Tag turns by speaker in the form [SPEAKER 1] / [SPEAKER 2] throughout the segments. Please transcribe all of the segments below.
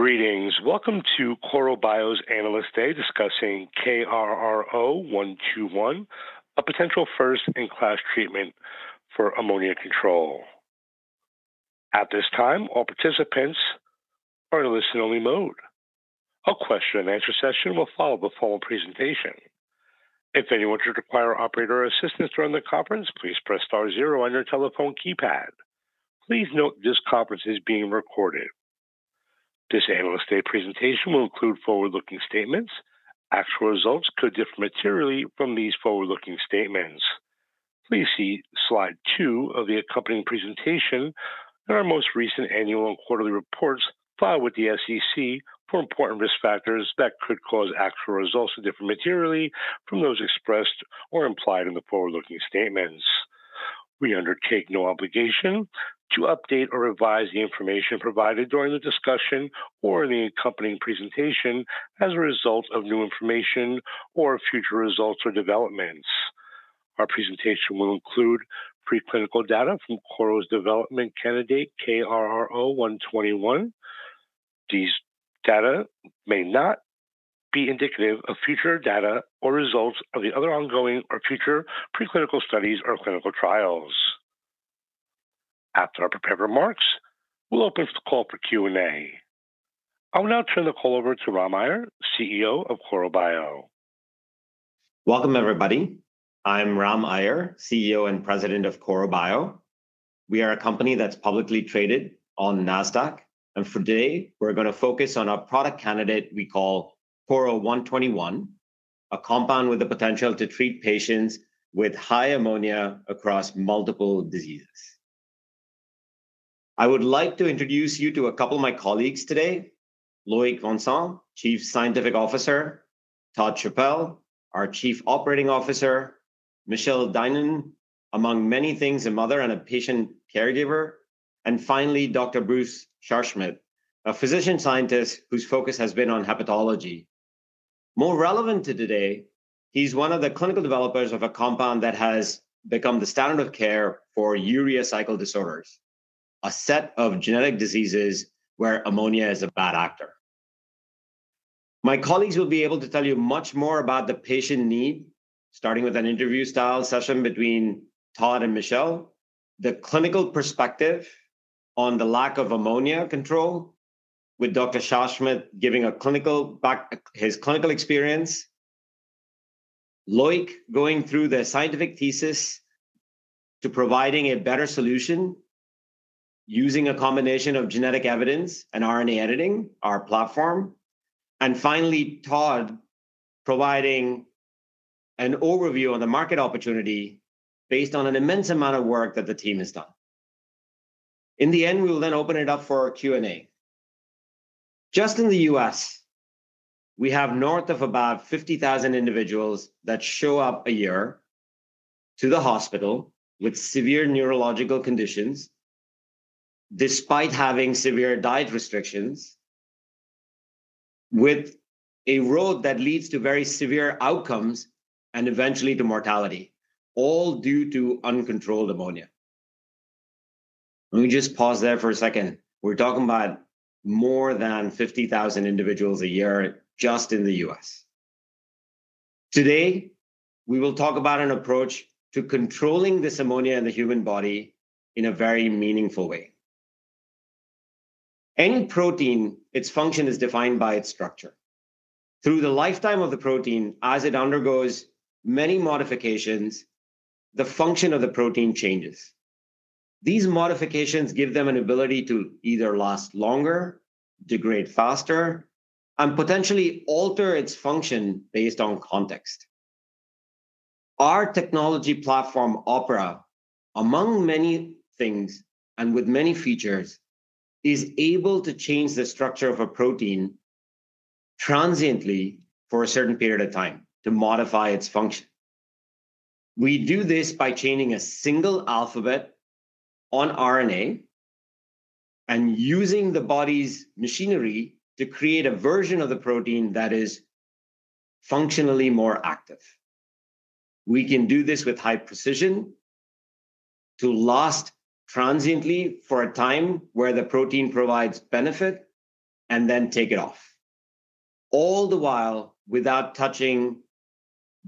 [SPEAKER 1] Greetings. Welcome to Korro Bio's Analyst Day, discussing KRRO-121, a potential first-in-class treatment for ammonia control. At this time, all participants are in listen-only mode. A question and answer session will follow the formal presentation. If anyone should require operator assistance during the conference, please press star zero on your telephone keypad. Please note this conference is being recorded. This Analyst Day presentation will include forward-looking statements. Actual results could differ materially from these forward-looking statements. Please see slide two of the accompanying presentation and our most recent annual and quarterly reports filed with the SEC for important risk factors that could cause actual results to differ materially from those expressed or implied in the forward-looking statements. We undertake no obligation to update or revise the information provided during the discussion or in the accompanying presentation as a result of new information or future results or developments. Our presentation will include preclinical data from Korro's development candidate, KRRO-121. These data may not be indicative of future data or results of the other ongoing or future preclinical studies or clinical trials. After our prepared remarks, we'll open up the call for Q&A. I will now turn the call over to Ram Aiyar, CEO of Korro Bio.
[SPEAKER 2] Welcome, everybody. I'm Ram Aiyar, CEO and President of Korro Bio. We are a company that's publicly traded on Nasdaq, and today we're gonna focus on our product candidate we call KRRO-121, a compound with the potential to treat patients with high ammonia across multiple diseases. I would like to introduce you to a couple of my colleagues today: Loïc Vincent, Chief Scientific Officer, Todd Chappell, our Chief Operating Officer, Michelle Dinneen, among many things, a mother and a patient caregiver, and finally, Dr. Bruce Scharschmidt, a physician-scientist whose focus has been on hepatology. More relevant to today, he's one of the clinical developers of a compound that has become the standard of care for urea cycle disorders, a set of genetic diseases where ammonia is a bad actor. My colleagues will be able to tell you much more about the patient need, starting with an interview-style session between Todd and Michelle. The clinical perspective on the lack of ammonia control, with Dr. Scharschmidt giving a clinical background, his clinical experience. Loïc going through the scientific thesis to providing a better solution, using a combination of genetic evidence and RNA editing, our platform. And finally, Todd providing an overview on the market opportunity based on an immense amount of work that the team has done. In the end, we will then open it up for our Q&A. Just in the U.S., we have north of about 50,000 individuals that show up a year to the hospital with severe neurological conditions, despite having severe diet restrictions, with a road that leads to very severe outcomes and eventually to mortality, all due to uncontrolled ammonia. Let me just pause there for a second. We're talking about more than 50,000 individuals a year just in the U.S.. Today, we will talk about an approach to controlling this ammonia in the human body in a very meaningful way. Any protein, its function is defined by its structure. Through the lifetime of the protein, as it undergoes many modifications, the function of the protein changes. These modifications give them an ability to either last longer, degrade faster, and potentially alter its function based on context. Our technology platform, OPERA, among many things and with many features, is able to change the structure of a protein transiently for a certain period of time to modify its function. We do this by changing a single alphabet on RNA and using the body's machinery to create a version of the protein that is functionally more active. We can do this with high precision to last transiently for a time where the protein provides benefit and then take it off, all the while without touching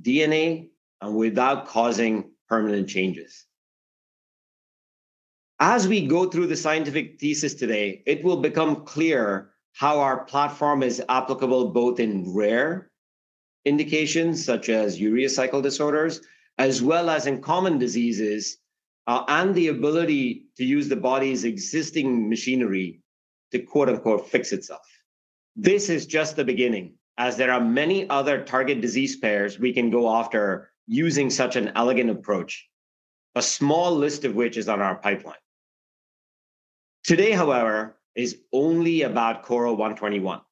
[SPEAKER 2] DNA and without causing permanent changes. As we go through the scientific thesis today, it will become clear how our platform is applicable both in rare indications, such as urea cycle disorders, as well as in common diseases, and the ability to use the body's existing machinery to, quote, unquote, "fix itself." This is just the beginning, as there are many other target disease pairs we can go after using such an elegant approach, a small list of which is on our pipeline. Today, however, is only about KRRO-121.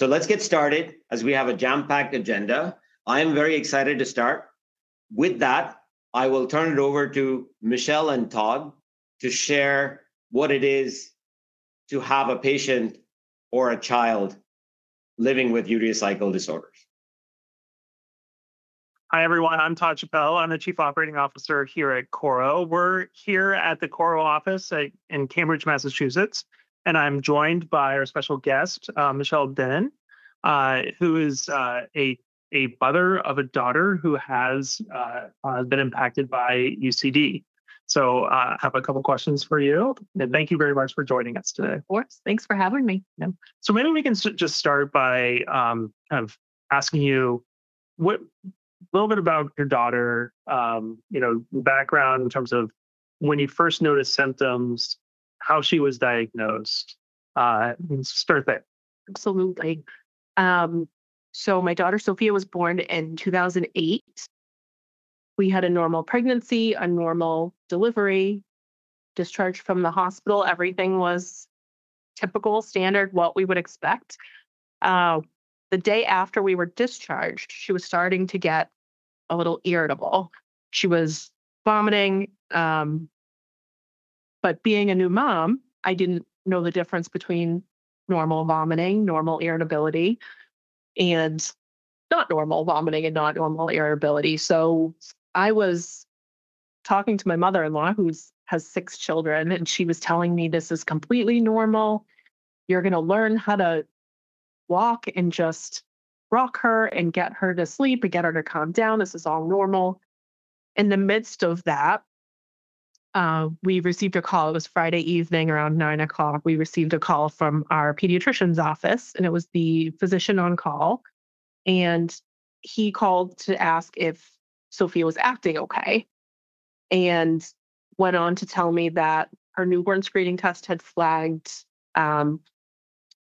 [SPEAKER 2] Let's get started, as we have a jam-packed agenda. I am very excited to start. With that, I will turn it over to Michelle and Todd to share what it is to have a patient or a child living with urea cycle disorders.
[SPEAKER 3] Hi, everyone. I'm Todd Chappell. I'm the Chief Operating Officer here at Korro. We're here at the Korro office at, in Cambridge, Massachusetts, and I'm joined by our special guest, Michelle Dinneen, who is, a mother of a daughter who has, been impacted by UCD. So, I have a couple questions for you, and thank you very much for joining us today.
[SPEAKER 4] Of course. Thanks for having me. Yeah.
[SPEAKER 3] So maybe we can just start by kind of asking you what a little bit about your daughter, you know, background in terms of when you first noticed symptoms, how she was diagnosed. Let's start there.
[SPEAKER 4] Absolutely. So my daughter, Sophia, was born in 2008. We had a normal pregnancy, a normal delivery, discharged from the hospital. Everything was typical, standard, what we would expect. The day after we were discharged, she was starting to get a little irritable. She was vomiting, but being a new mom, I didn't know the difference between normal vomiting, normal irritability, and not normal vomiting and not normal irritability. So I was talking to my mother-in-law, who's, has six children, and she was telling me, "This is completely normal. You're gonna learn how to walk and just rock her and get her to sleep and get her to calm down. This is all normal." In the midst of that, we received a call. It was Friday evening around 9:00 P.M. We received a call from our pediatrician's office, and it was the physician on call, and he called to ask if Sophia was acting okay, and went on to tell me that her newborn screening test had flagged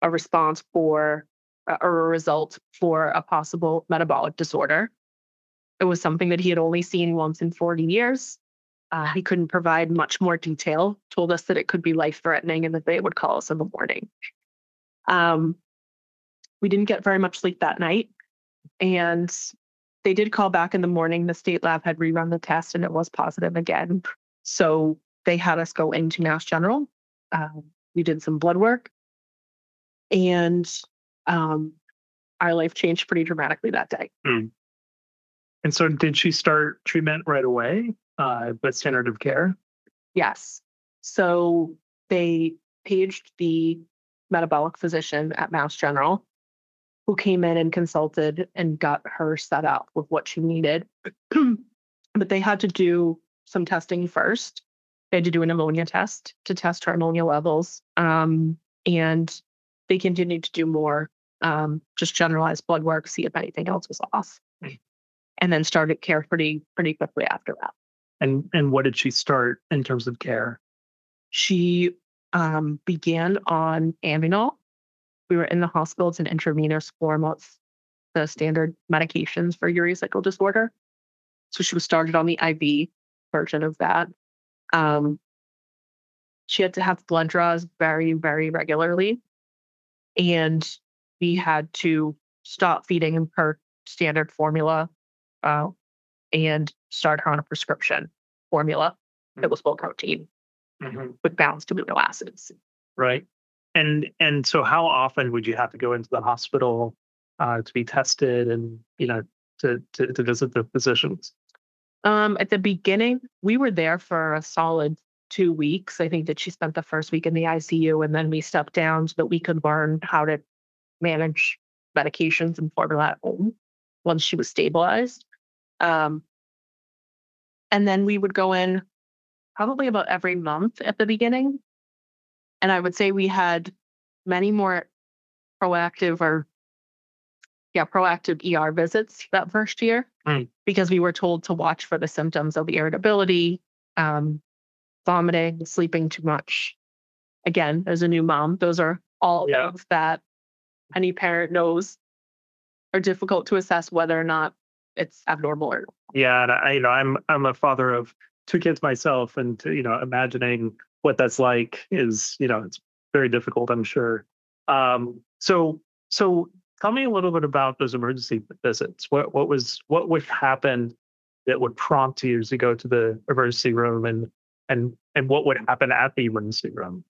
[SPEAKER 4] a response for, or a result for, a possible metabolic disorder. It was something that he had only seen once in 40 years. He couldn't provide much more detail. Told us that it could be life-threatening, and that they would call us in the morning. We didn't get very much sleep that night, and they did call back in the morning. The state lab had rerun the test, and it was positive again. So they had us go into Mass General. We did some blood work, and our life changed pretty dramatically that day.
[SPEAKER 3] Hmm. And so did she start treatment right away with standard of care?
[SPEAKER 4] Yes. So they paged the metabolic physician at Mass General, who came in and consulted and got her set up with what she needed. But they had to do some testing first. They had to do an ammonia test to test her ammonia levels, and they continued to do more, just generalized blood work, see if anything else was off.
[SPEAKER 3] Right.
[SPEAKER 4] And then started care pretty, pretty quickly after that.
[SPEAKER 3] What did she start in terms of care?
[SPEAKER 4] She began on Ammonul. We were in the hospital. It's an intravenous form. It's the standard medications for urea cycle disorder, so she was started on the IV version of that. She had to have blood draws very, very regularly, and we had to stop feeding her standard formula, and start her on a prescription formula-
[SPEAKER 3] Mm-hmm...
[SPEAKER 4] that was low protein-
[SPEAKER 3] Mm-hmm...
[SPEAKER 4] with balanced amino acids.
[SPEAKER 3] Right. And so how often would you have to go into the hospital to be tested and, you know, to visit the physicians?
[SPEAKER 4] At the beginning, we were there for a solid two weeks. I think that she spent the first week in the ICU, and then we stepped down so that we could learn how to manage medications and formula at home once she was stabilized. And then we would go in probably about every month at the beginning, and I would say we had many more proactive or, yeah, proactive ER visits that first year-
[SPEAKER 3] Hmm...
[SPEAKER 4] because we were told to watch for the symptoms of irritability, vomiting, sleeping too much. Again, as a new mom, those are all things-
[SPEAKER 3] Yeah...
[SPEAKER 4] that any parent knows are difficult to assess whether or not it's abnormal or-
[SPEAKER 3] Yeah, and, you know, I'm a father of two kids myself, and to, you know, imagining what that's like is, you know, it's very difficult, I'm sure. So, tell me a little bit about those emergency visits. What was... what would happen that would prompt you to go to the emergency room, and what would happen at the emergency room?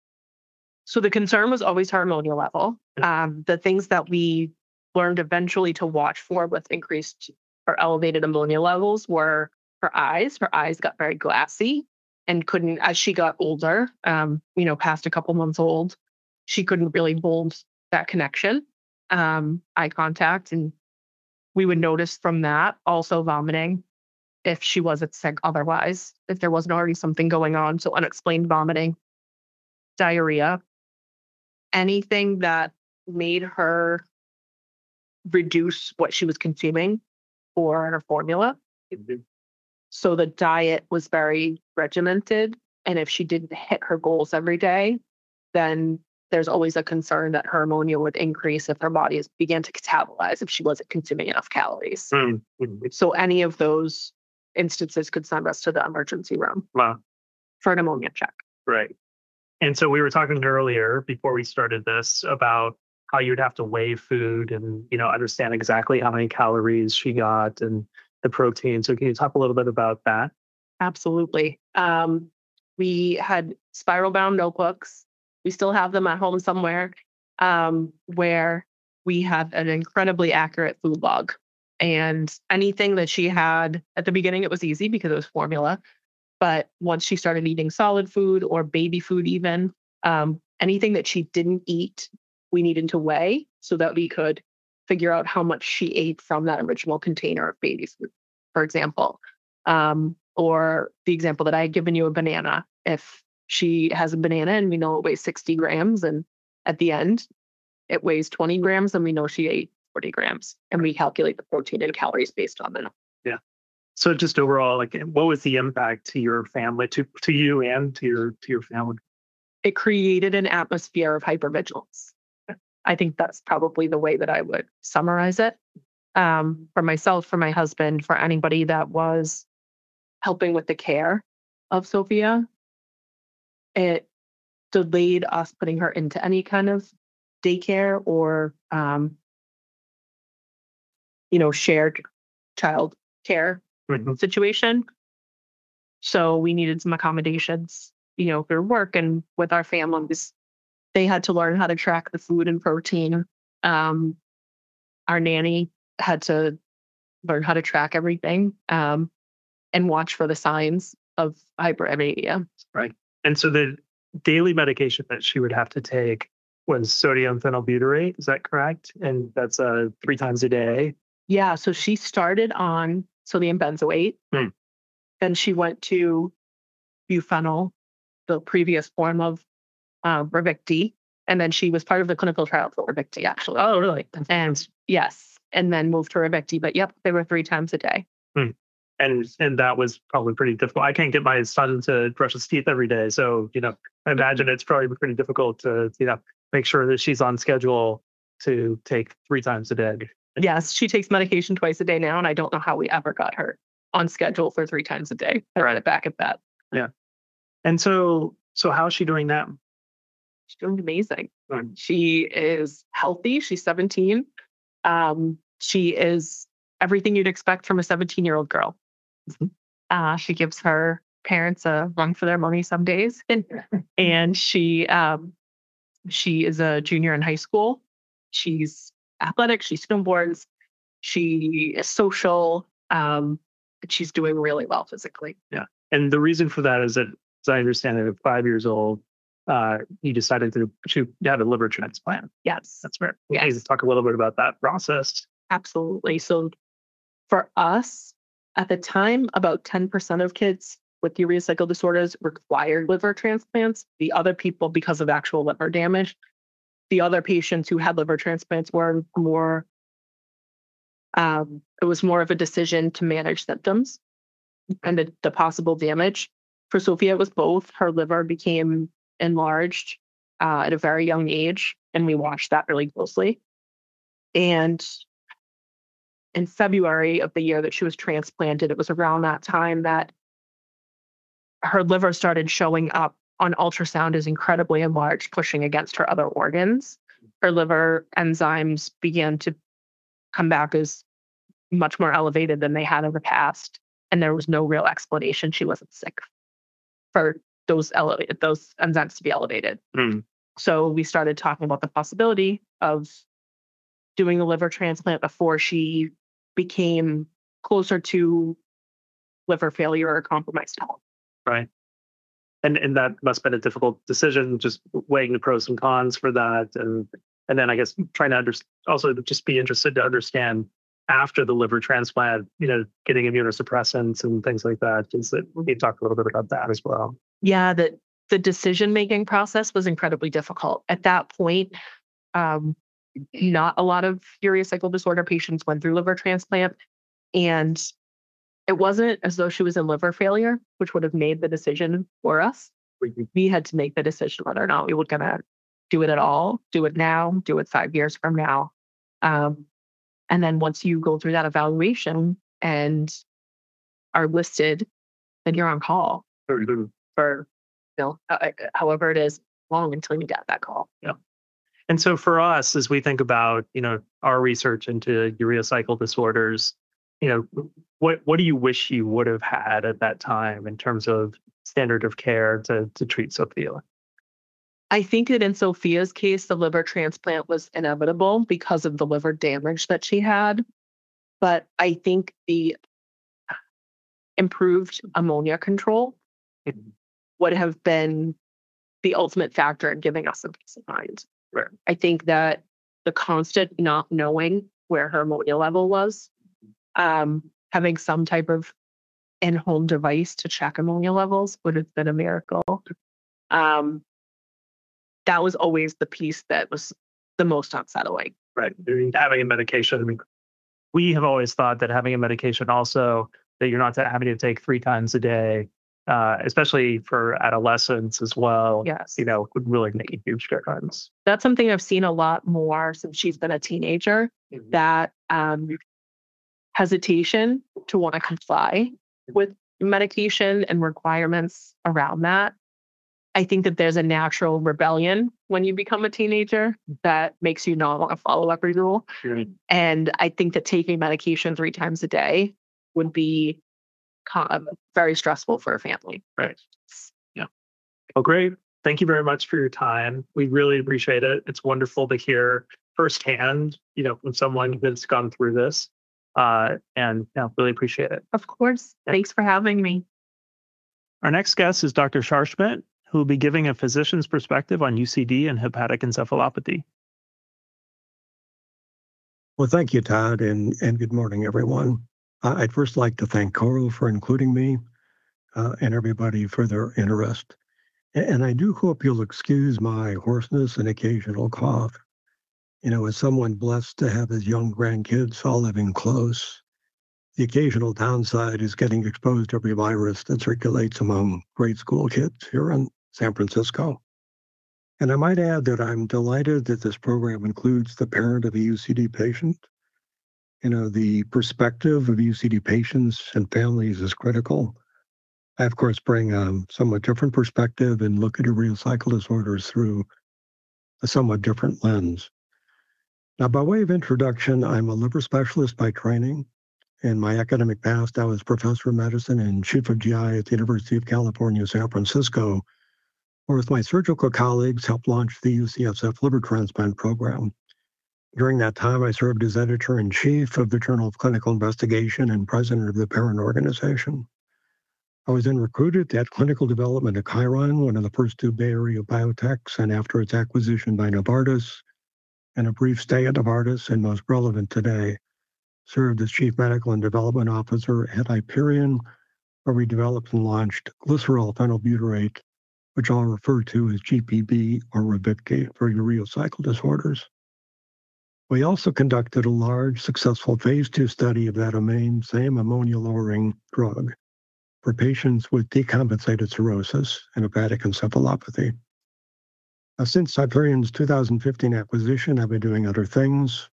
[SPEAKER 4] The concern was always her ammonia level.
[SPEAKER 5] Mm.
[SPEAKER 4] The things that we learned eventually to watch for with increased or elevated ammonia levels were her eyes. Her eyes got very glassy and couldn't... As she got older, you know, past a couple months old, she couldn't really hold that connection, eye contact, and we would notice from that. Also vomiting, if she wasn't sick otherwise, if there wasn't already something going on, so unexplained vomiting, diarrhea, anything that made her reduce what she was consuming or her formula.
[SPEAKER 3] Mm-hmm.
[SPEAKER 4] So the diet was very regimented, and if she didn't hit her goals every day, then there's always a concern that her ammonia would increase if her body began to catabolize, if she wasn't consuming enough calories.
[SPEAKER 3] Hmm, mm-hmm.
[SPEAKER 4] Any of those instances could send us to the emergency room-
[SPEAKER 3] Wow...
[SPEAKER 4] for an ammonia check.
[SPEAKER 3] Right. And so we were talking earlier, before we started this, about how you'd have to weigh food and, you know, understand exactly how many calories she got and the protein. So can you talk a little bit about that?
[SPEAKER 4] Absolutely. We had spiral-bound notebooks. We still have them at home somewhere, where we have an incredibly accurate food log. And anything that she had, at the beginning, it was easy because it was formula, but once she started eating solid food or baby food even, anything that she didn't eat, we needed to weigh so that we could figure out how much she ate from that original container of baby food, for example. Or the example that I had given you, a banana. If she has a banana and we know it weighs 60 g, and at the end it weighs 20 g, then we know she ate 40 g, and we calculate the protein and calories based on that.
[SPEAKER 3] Yeah. So just overall, like, what was the impact to your family, to you and to your family?
[SPEAKER 4] It created an atmosphere of hypervigilance.
[SPEAKER 3] Yeah.
[SPEAKER 4] I think that's probably the way that I would summarize it, for myself, for my husband, for anybody that was helping with the care of Sophia. It delayed us putting her into any kind of daycare or, you know, shared childcare-
[SPEAKER 3] Mm-hmm...
[SPEAKER 4] situation. So we needed some accommodations, you know, through work and with our families. They had to learn how to track the food and protein. Our nanny had to learn how to track everything, and watch for the signs of hyperammonemia.
[SPEAKER 3] Right. And so the daily medication that she would have to take was sodium phenylbutyrate, is that correct? And that's three times a day.
[SPEAKER 4] Yeah, so she started on sodium benzoate.
[SPEAKER 3] Mm.
[SPEAKER 4] Then she went to Buphenyl, the previous form of Ravicti, and then she was part of the clinical trial for Ravicti, actually.
[SPEAKER 3] Oh, really?
[SPEAKER 4] Yes. And then moved to Ravicti, but yep, they were three times a day.
[SPEAKER 3] And that was probably pretty difficult. I can't get my son to brush his teeth every day, so, you know, I imagine it's probably pretty difficult to, you know, make sure that she's on schedule to take three times a day.
[SPEAKER 4] Yes, she takes medication twice a day now, and I don't know how we ever got her on schedule for three times a day-
[SPEAKER 3] Right...
[SPEAKER 4] back at that.
[SPEAKER 3] Yeah. And so, how is she doing now?
[SPEAKER 4] She's doing amazing.
[SPEAKER 3] Good.
[SPEAKER 4] She is healthy. She's 17. She is everything you'd expect from a 17-year-old girl.
[SPEAKER 3] Mm-hmm.
[SPEAKER 4] She gives her parents a run for their money some days. And she, she is a junior in high school. She's athletic, she snowboards, she is social, she's doing really well physically.
[SPEAKER 3] Yeah. And the reason for that is that, as I understand it, at five years old, you decided to have a liver transplant.
[SPEAKER 4] Yes.
[SPEAKER 3] That's right.
[SPEAKER 4] Yeah.
[SPEAKER 3] Can you just talk a little bit about that process?
[SPEAKER 4] Absolutely. So for us, at the time, about 10% of kids with urea cycle disorders required liver transplants. The other people, because of actual liver damage, the other patients who had liver transplants were more... It was more of a decision to manage symptoms and the possible damage. For Sophia, it was both. Her liver became enlarged at a very young age, and we watched that really closely. In February of the year that she was transplanted, it was around that time that her liver started showing up on ultrasound as incredibly enlarged, pushing against her other organs.
[SPEAKER 3] Mm.
[SPEAKER 4] Her liver enzymes began to come back as much more elevated than they had in the past, and there was no real explanation. She wasn't sick, for those enzymes to be elevated.
[SPEAKER 3] Mm.
[SPEAKER 4] So we started talking about the possibility of doing a liver transplant before she became closer to liver failure or compromised health.
[SPEAKER 3] Right. And that must have been a difficult decision, just weighing the pros and cons for that. And then I guess also just be interested to understand, after the liver transplant, you know, getting immunosuppressants and things like that. Can you just... Can you talk a little bit about that as well?
[SPEAKER 4] Yeah, the decision-making process was incredibly difficult. At that point, not a lot of Urea Cycle Disorder patients went through liver transplant, and it wasn't as though she was in liver failure, which would have made the decision for us.
[SPEAKER 3] Mm-hmm.
[SPEAKER 4] We had to make the decision whether or not we were gonna do it at all, do it now, do it five years from now. And then once you go through that evaluation and are listed, then you're on call-
[SPEAKER 3] Mm-hmm...
[SPEAKER 4] for, you know, however it is long until you get that call.
[SPEAKER 3] Yeah. And so for us, as we think about, you know, our research into urea cycle disorders, you know, what, what do you wish you would have had at that time in terms of standard of care to, to treat Sophia?
[SPEAKER 4] I think that in Sophia's case, the liver transplant was inevitable because of the liver damage that she had, but I think the improved ammonia control-
[SPEAKER 3] Mm...
[SPEAKER 4] would have been the ultimate factor in giving us some peace of mind.
[SPEAKER 3] Right.
[SPEAKER 4] I think that the constant not knowing where her ammonia level was, having some type of in-home device to check ammonia levels would have been a miracle. That was always the piece that was the most unsettling.
[SPEAKER 3] Right. Having a medication, I mean, we have always thought that having a medication also, that you're not having to take three times a day, especially for adolescents as well-
[SPEAKER 4] Yes...
[SPEAKER 3] you know, would really make a huge difference.
[SPEAKER 4] That's something I've seen a lot more since she's been a teenager-
[SPEAKER 3] Mm
[SPEAKER 4] ...that hesitation to want to comply with medication and requirements around that.... I think that there's a natural rebellion when you become a teenager that makes you not want to follow every rule.
[SPEAKER 3] Right.
[SPEAKER 4] And I think that taking medication three times a day would be very stressful for a family.
[SPEAKER 3] Right. Yeah. Well, great. Thank you very much for your time. We really appreciate it. It's wonderful to hear firsthand, you know, from someone that's gone through this, and, yeah, really appreciate it.
[SPEAKER 4] Of course.
[SPEAKER 3] Yeah.
[SPEAKER 4] Thanks for having me.
[SPEAKER 3] Our next guest is Dr. Scharschmidt, who will be giving a physician's perspective on UCD and hepatic encephalopathy.
[SPEAKER 6] Well, thank you, Todd, and good morning, everyone. I'd first like to thank Korro for including me and everybody for their interest. And I do hope you'll excuse my hoarseness and occasional cough. You know, as someone blessed to have his young grandkids all living close, the occasional downside is getting exposed to every virus that circulates among grade school kids here in San Francisco. And I might add that I'm delighted that this program includes the parent of a UCD patient. You know, the perspective of UCD patients and families is critical. I, of course, bring somewhat different perspective and look at urea cycle disorders through a somewhat different lens. Now, by way of introduction, I'm a liver specialist by training. In my academic past, I was professor of medicine and chief of GI at the University of California, San Francisco, where with my surgical colleagues, helped launch the UCSF Liver Transplant Program. During that time, I served as editor-in-chief of the Journal of Clinical Investigation and president of the parent organization. I was then recruited to add clinical development to Chiron, one of the first two Bay Area biotechs, and after its acquisition by Novartis, and a brief stay at Novartis, and most relevant today, served as Chief Medical and Development Officer at Hyperion, where we developed and launched glycerol phenylbutyrate, which I'll refer to as GPB or Ravicti, for urea cycle disorders. We also conducted a large, successful phase II study of that same ammonia-lowering drug for patients with decompensated cirrhosis and hepatic encephalopathy. Now, since Hyperion's 2015 acquisition, I've been doing other things,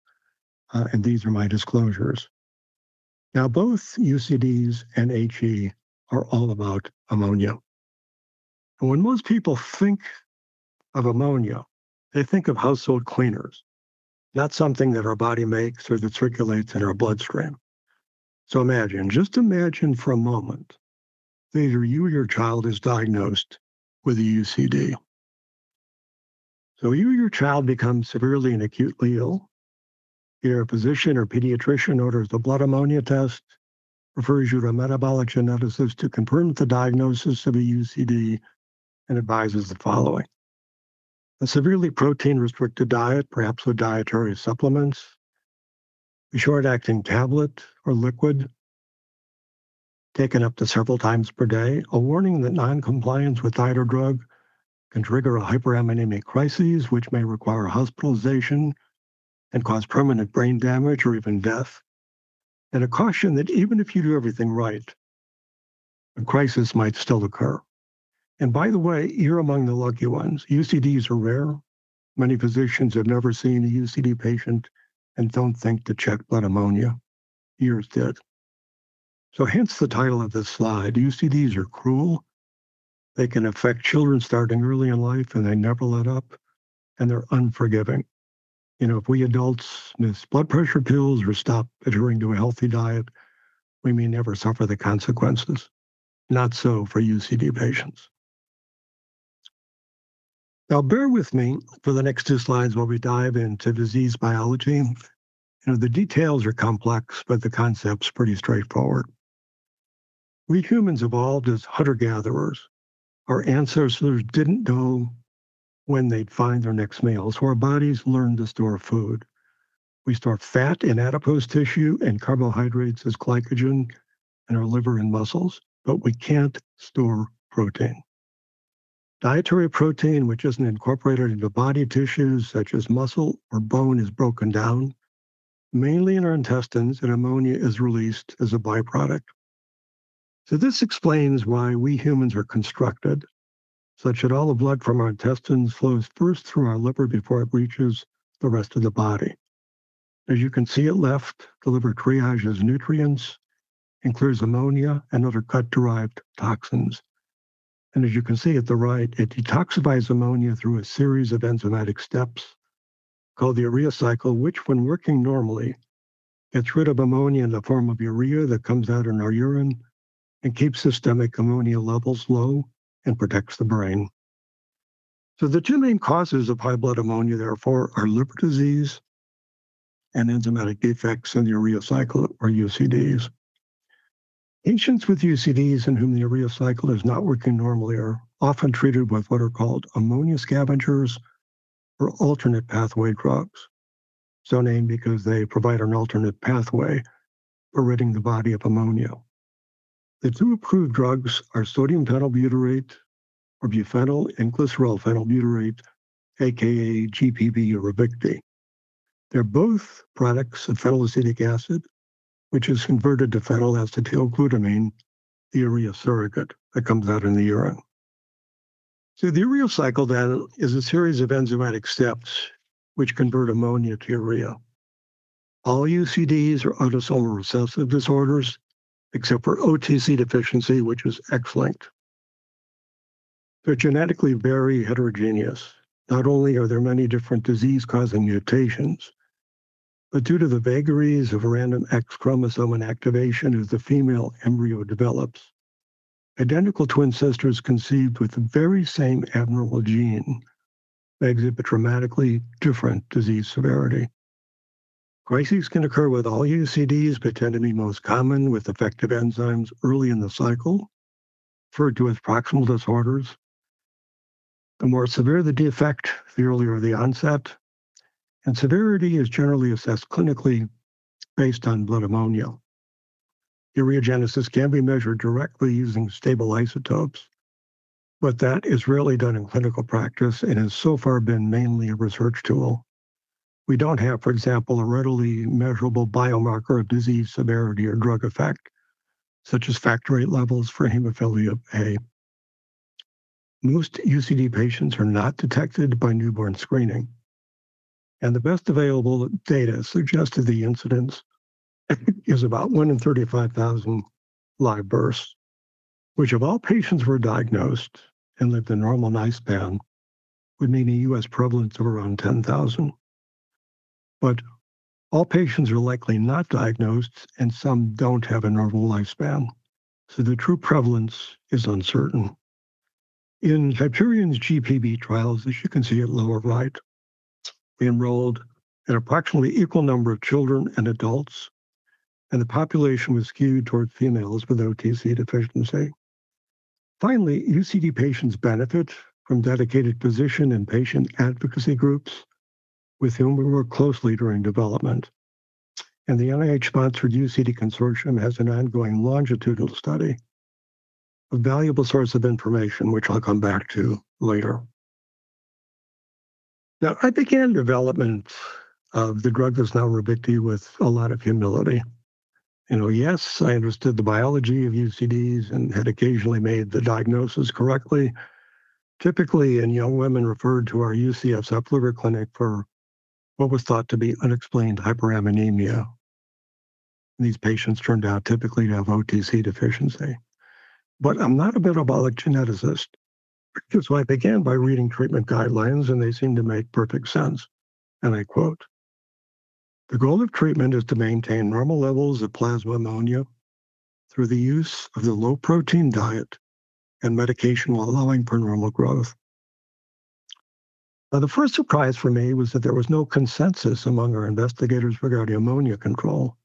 [SPEAKER 6] and these are my disclosures. Now, both UCDs and HE are all about ammonia. When most people think of ammonia, they think of household cleaners, not something that our body makes or that circulates in our bloodstream. So imagine, just imagine for a moment, that either you or your child is diagnosed with a UCD. So you or your child becomes severely and acutely ill. Your physician or pediatrician orders a blood ammonia test, refers you to a metabolic geneticist to confirm the diagnosis of a UCD, and advises the following: "A severely protein-restricted diet, perhaps with dietary supplements, a short-acting tablet or liquid taken up to several times per day, a warning that noncompliance with diet or drug can trigger a hyperammonemic crisis, which may require hospitalization and cause permanent brain damage or even death, and a caution that even if you do everything right, a crisis might still occur. And by the way, you're among the lucky ones. UCDs are rare. Many physicians have never seen a UCD patient and don't think to check blood ammonia. Yours did." So hence the title of this slide. UCDs are cruel. They can affect children starting early in life, and they never let up, and they're unforgiving. You know, if we adults miss blood pressure pills or stop adhering to a healthy diet, we may never suffer the consequences. Not so for UCD patients. Now, bear with me for the next two slides while we dive into disease biology. You know, the details are complex, but the concept's pretty straightforward. We humans evolved as hunter-gatherers. Our ancestors didn't know when they'd find their next meal, so our bodies learned to store food. We store fat in adipose tissue and carbohydrates as glycogen in our liver and muscles, but we can't store protein. Dietary protein, which isn't incorporated into body tissues such as muscle or bone, is broken down, mainly in our intestines, and ammonia is released as a byproduct. So this explains why we humans are constructed such that all the blood from our intestines flows first through our liver before it reaches the rest of the body. As you can see at left, the liver triages nutrients, includes ammonia and other gut-derived toxins. As you can see at the right, it detoxifies ammonia through a series of enzymatic steps called the urea cycle, which, when working normally, gets rid of ammonia in the form of urea that comes out in our urine and keeps systemic ammonia levels low and protects the brain. The two main causes of high blood ammonia, therefore, are liver disease and enzymatic defects in the urea cycle, or UCDs. Patients with UCDs in whom the urea cycle is not working normally are often treated with what are called ammonia scavengers or alternate pathway drugs, so named because they provide an alternate pathway for ridding the body of ammonia. The two approved drugs are sodium phenylbutyrate, or Buphenyl, and glycerol phenylbutyrate, aka GPB or Ravicti. They're both products of phenylacetic acid, which is converted to phenylacetylglutamine, the urea surrogate that comes out in the urine. So the urea cycle, then, is a series of enzymatic steps which convert ammonia to urea. All UCDs are autosomal recessive disorders, except for OTC deficiency, which is X-linked. They're genetically very heterogeneous. Not only are there many different disease-causing mutations, but due to the vagaries of random X chromosome inactivation as the female embryo develops, identical twin sisters conceived with the very same abnormal gene may exhibit dramatically different disease severity. Crises can occur with all UCDs, but tend to be most common with defective enzymes early in the cycle, referred to as proximal disorders. The more severe the defect, the earlier the onset, and severity is generally assessed clinically based on blood ammonia. Ureagenesis can be measured directly using stable isotopes, but that is rarely done in clinical practice and has so far been mainly a research tool. We don't have, for example, a readily measurable biomarker of disease severity or drug effect, such as factor VIII levels for hemophilia A. Most UCD patients are not detected by newborn screening, and the best available data suggested the incidence is about 1 in 35,000 live births, which if all patients were diagnosed and lived a normal lifespan, would mean a U.S. prevalence of around 10,000. All patients are likely not diagnosed, and some don't have a normal lifespan, so the true prevalence is uncertain. In Hyperion's GPB trials, as you can see at lower right, we enrolled an approximately equal number of children and adults, and the population was skewed towards females with OTC deficiency. Finally, UCD patients benefit from dedicated physician and patient advocacy groups with whom we worked closely during development. The NIH-sponsored UCD Consortium has an ongoing longitudinal study, a valuable source of information, which I'll come back to later. Now, I began development of the drug that's now Ravicti with a lot of humility. You know, yes, I understood the biology of UCDs and had occasionally made the diagnosis correctly. Typically, in young women referred to our UCSF Hepatic clinic for what was thought to be unexplained hyperammonemia. These patients turned out typically to have OTC deficiency. But I'm not a metabolic geneticist. That's why I began by reading treatment guidelines, and they seemed to make perfect sense. And I quote, "The goal of treatment is to maintain normal levels of plasma ammonia through the use of the low-protein diet and medication while allowing for normal growth." Now, the first surprise for me was that there was no consensus among our investigators regarding ammonia control.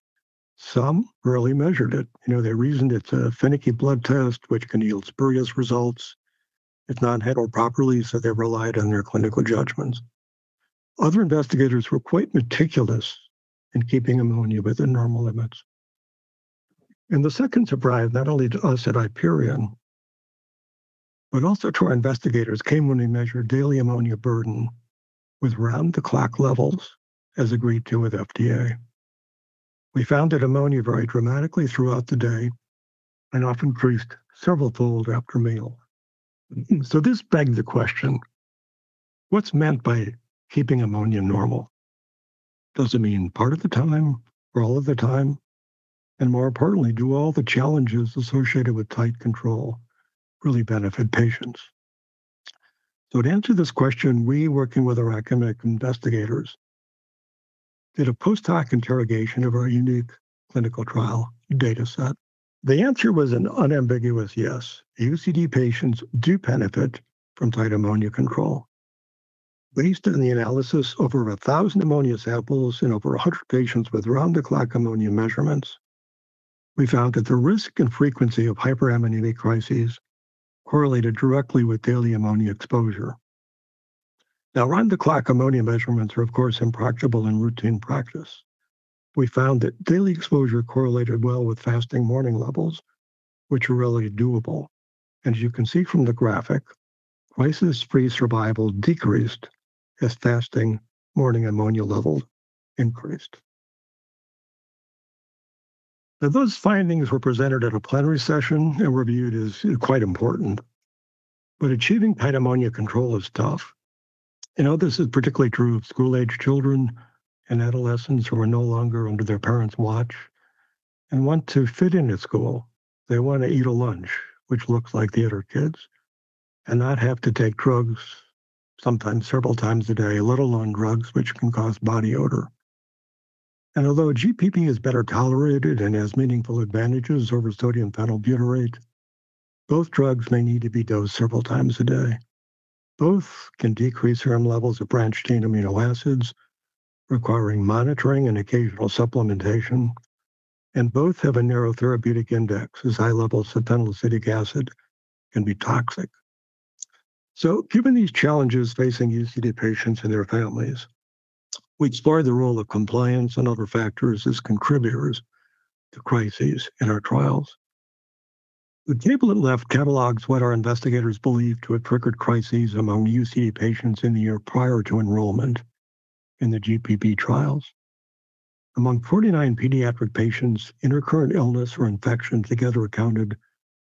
[SPEAKER 6] Some barely measured it. You know, they reasoned it's a finicky blood test which can yield spurious results if not handled properly, so they relied on their clinical judgments. Other investigators were quite meticulous in keeping ammonia within normal limits. And the second surprise, not only to us at Hyperion, but also to our investigators, came when we measured daily ammonia burden with round-the-clock levels, as agreed to with FDA. We found that ammonia varied dramatically throughout the day and often increased several-fold after a meal. This begs the question: what's meant by keeping ammonia normal? Does it mean part of the time or all of the time? More importantly, do all the challenges associated with tight control really benefit patients? To answer this question, we, working with our academic investigators, did a post-hoc interrogation of our unique clinical trial data set. The answer was an unambiguous yes. UCD patients do benefit from tight ammonia control. Based on the analysis of over 1,000 ammonia samples in over 100 patients with round-the-clock ammonia measurements, we found that the risk and frequency of hyperammonemic crises correlated directly with daily ammonia exposure. Now, round-the-clock ammonia measurements are, of course, impracticable in routine practice. We found that daily exposure correlated well with fasting morning levels, which are really doable. As you can see from the graphic, crisis-free survival decreased as fasting morning ammonia levels increased. Now, those findings were presented at a plenary session and reviewed as quite important. But achieving tight ammonia control is tough. You know, this is particularly true of school-age children and adolescents who are no longer under their parents' watch and want to fit in at school. They want to eat a lunch, which looks like the other kids, and not have to take drugs sometimes several times a day, let alone drugs which can cause body odor. And although GPB is better tolerated and has meaningful advantages over sodium phenylbutyrate, both drugs may need to be dosed several times a day. Both can decrease serum levels of branched-chain amino acids, requiring monitoring and occasional supplementation, and both have a narrow therapeutic index, as high levels of phenylacetic acid can be toxic. Given these challenges facing UCD patients and their families, we explored the role of compliance and other factors as contributors to crises in our trials. The table at left catalogs what our investigators believed to have triggered crises among UCD patients in the year prior to enrollment in the GPB trials. Among 49 pediatric patients, intercurrent illness or infection together accounted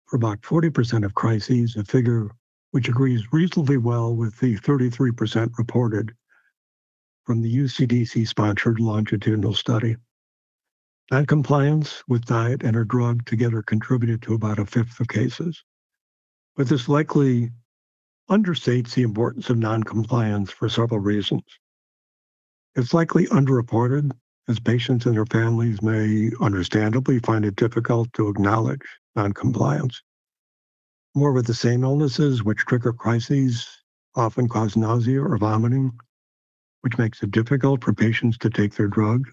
[SPEAKER 6] for about 40% of crises, a figure which agrees reasonably well with the 33% reported from the UCDC-sponsored longitudinal study. Non-compliance with diet and/or drug together contributed to about a fifth of cases. But this likely understates the importance of non-compliance for several reasons. It's likely underreported, as patients and their families may understandably find it difficult to acknowledge non-compliance. Moreover, with the same illnesses, which trigger crises, often cause nausea or vomiting, which makes it difficult for patients to take their drug.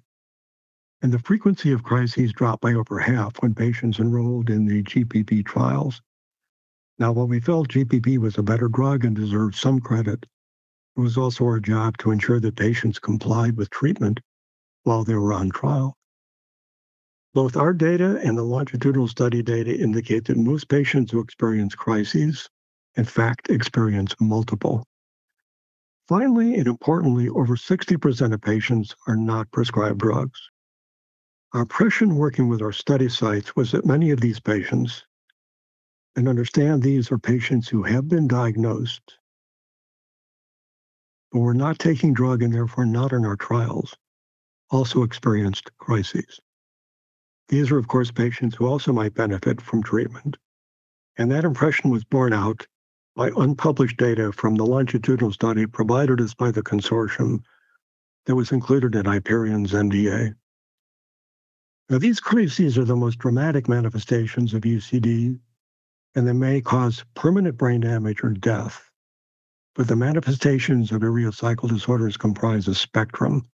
[SPEAKER 6] The frequency of crises dropped by over half when patients enrolled in the GPB trials. Now, while we felt GPB was a better drug and deserved some credit, it was also our job to ensure that patients complied with treatment while they were on trial. Both our data and the longitudinal study data indicate that most patients who experience crises, in fact, experience multiple. Finally, and importantly, over 60% of patients are not prescribed drugs. Our impression working with our study sites was that many of these patients, and understand these are patients who have been diagnosed, but were not taking drug and therefore not in our trials, also experienced crises. These are, of course, patients who also might benefit from treatment, and that impression was borne out by unpublished data from the longitudinal study provided us by the consortium that was included in Hyperion's. NDA. Now, these crises are the most dramatic manifestations of UCD, and they may cause permanent brain damage or death. But the manifestations of urea cycle disorders comprise a spectrum,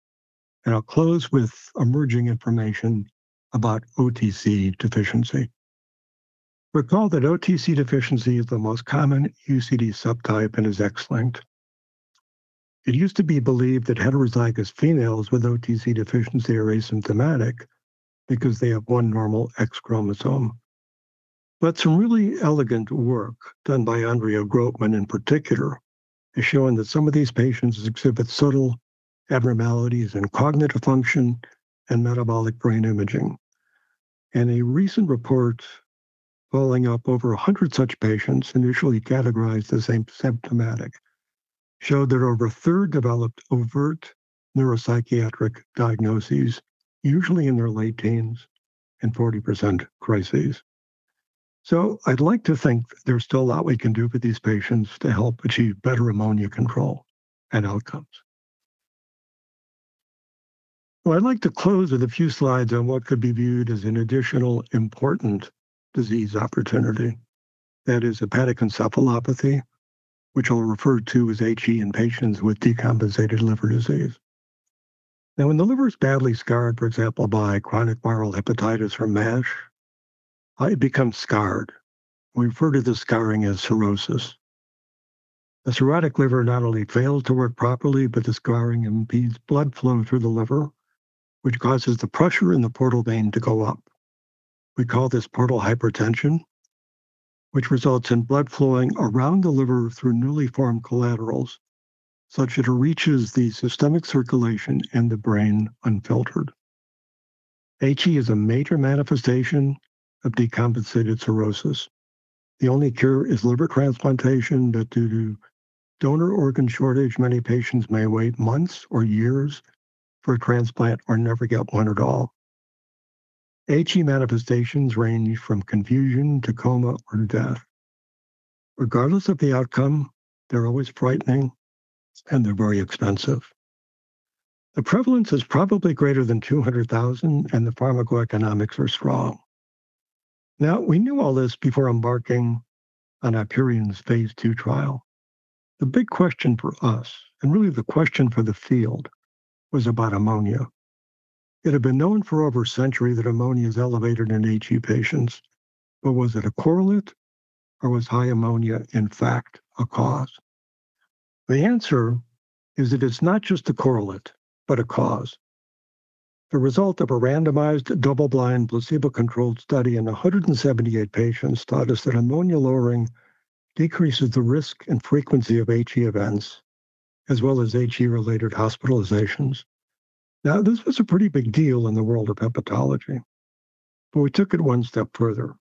[SPEAKER 6] and I'll close with emerging information about OTC deficiency. Recall that OTC deficiency is the most common UCD subtype and is X-linked. It used to be believed that heterozygous females with OTC deficiency are asymptomatic because they have one normal X chromosome. But some really elegant work done by Andrea Gropman, in particular, has shown that some of these patients exhibit subtle abnormalities in cognitive function and metabolic brain imaging. And a recent report, following up over 100 such patients initially categorized as asymptomatic, showed that over a third developed overt neuropsychiatric diagnoses, usually in their late teens, and 40% crises. So I'd like to think there's still a lot we can do for these patients to help achieve better ammonia control and outcomes. Well, I'd like to close with a few slides on what could be viewed as an additional important disease opportunity. That is hepatic encephalopathy, which I'll refer to as HE, in patients with decompensated liver disease. Now, when the liver is badly scarred, for example, by chronic viral hepatitis or MASH, it becomes scarred. We refer to the scarring as cirrhosis. A cirrhotic liver not only fails to work properly, but the scarring impedes blood flow through the liver, which causes the pressure in the portal vein to go up. We call this portal hypertension, which results in blood flowing around the liver through newly formed collaterals, such that it reaches the systemic circulation and the brain unfiltered. HE is a major manifestation of decompensated cirrhosis. The only cure is liver transplantation, but due to donor organ shortage, many patients may wait months or years for a transplant or never get one at all. HE manifestations range from confusion to coma or death. Regardless of the outcome, they're always frightening, and they're very expensive. The prevalence is probably greater than 200,000, and the pharmacoeconomics are strong. Now, we knew all this before embarking on Hyperion's phase II trial. The big question for us, and really the question for the field, was about ammonia. It had been known for over a century that ammonia is elevated in HE patients, but was it a correlate, or was high ammonia, in fact, a cause? The answer is that it's not just a correlate, but a cause. The result of a randomized, double-blind, placebo-controlled study in 178 patients taught us that ammonia lowering decreases the risk and frequency of HE events, as well as HE-related hospitalizations. Now, this was a pretty big deal in the world of hepatology, but we took it one step further.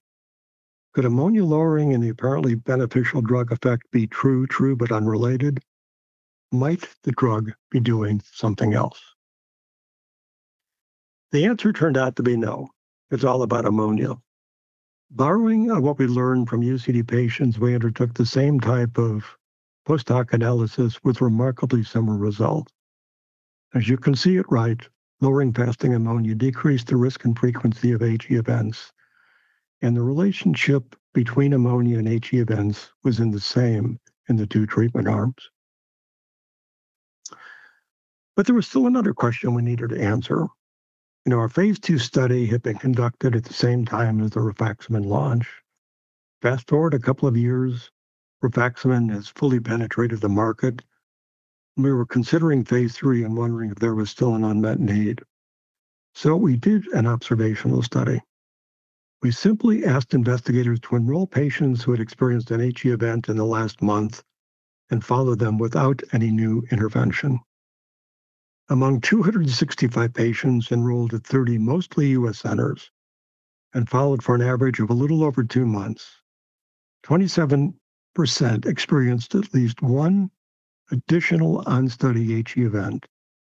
[SPEAKER 6] Could ammonia lowering and the apparently beneficial drug effect be true, true, but unrelated? Might the drug be doing something else? The answer turned out to be no. It's all about ammonia. Borrowing on what we learned from UCD patients, we undertook the same type of post-hoc analysis with remarkably similar results. As you can see it, right, lowering fasting ammonia decreased the risk and frequency of HE events, and the relationship between ammonia and HE events was the same in the two treatment arms. But there was still another question we needed to answer. You know, our phase II study had been conducted at the same time as the rifaximin launch. Fast forward a couple of years, rifaximin has fully penetrated the market. We were considering phase III and wondering if there was still an unmet need. So we did an observational study. We simply asked investigators to enroll patients who had experienced an HE event in the last month and follow them without any new intervention. Among 265 patients enrolled at 30 mostly U.S. centers, and followed for an average of a little over two months, 27% experienced at least one additional on-study HE event,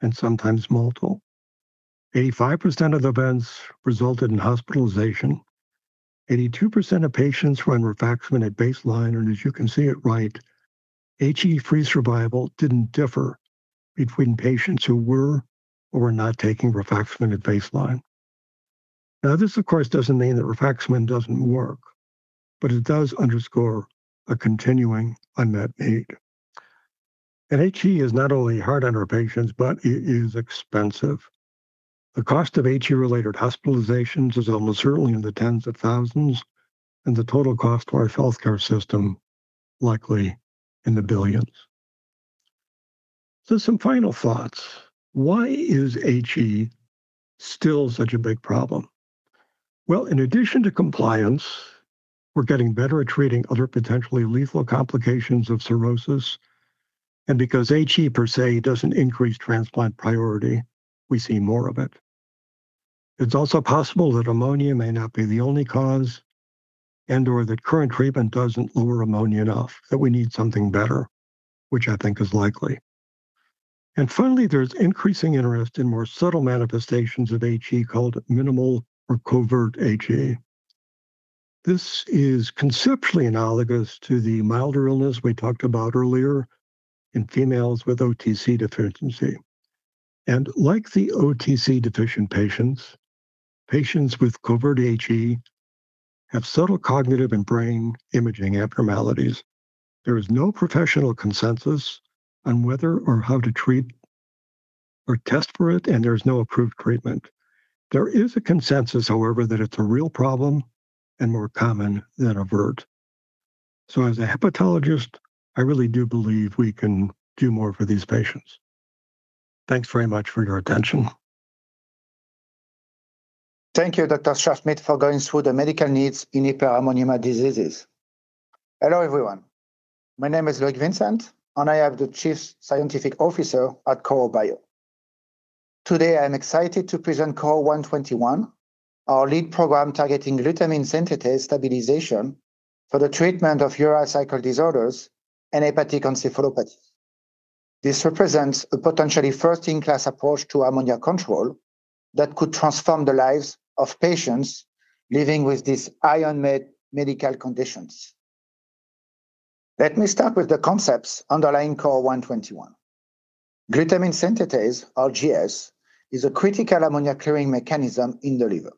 [SPEAKER 6] and sometimes multiple. 85% of the events resulted in hospitalization. 82% of patients were on rifaximin at baseline, and as you can see it, right, HE free survival didn't differ between patients who were or were not taking rifaximin at baseline. Now, this, of course, doesn't mean that rifaximin doesn't work, but it does underscore a continuing unmet need. And HE is not only hard on our patients, but it is expensive. The cost of HE-related hospitalizations is almost certainly in the $10,000s, and the total cost to our healthcare system, likely in the $ billions. So some final thoughts: Why is HE still such a big problem? Well, in addition to compliance, we're getting better at treating other potentially lethal complications of cirrhosis, and because HE, per se, doesn't increase transplant priority, we see more of it. It's also possible that ammonia may not be the only cause and/or that current treatment doesn't lower ammonia enough, that we need something better, which I think is likely. And finally, there's increasing interest in more subtle manifestations of HE, called minimal or covert HE. This is conceptually analogous to the milder illness we talked about earlier in females with OTC deficiency. And like the OTC-deficient patients, patients with covert HE have subtle cognitive and brain imaging abnormalities. There is no professional consensus on whether or how to treat or test for it, and there's no approved treatment. There is a consensus, however, that it's a real problem and more common than overt. So as a hepatologist, I really do believe we can do more for these patients. Thanks very much for your attention.
[SPEAKER 7] Thank you, Dr. Scharschmidt, for going through the medical needs in hyperammonemia diseases. Hello, everyone. My name is Loïc Vincent, and I am the Chief Scientific Officer at Korro Bio. Today, I'm excited to present KRRO-121, our lead program targeting glutamine synthetase stabilization for the treatment of urea cycle disorders and hepatic encephalopathy. This represents a potentially first-in-class approach to ammonia control that could transform the lives of patients living with these high unmet medical conditions. Let me start with the concepts underlying KRRO-121. Glutamine synthetase, or GS, is a critical ammonia-clearing mechanism in the liver.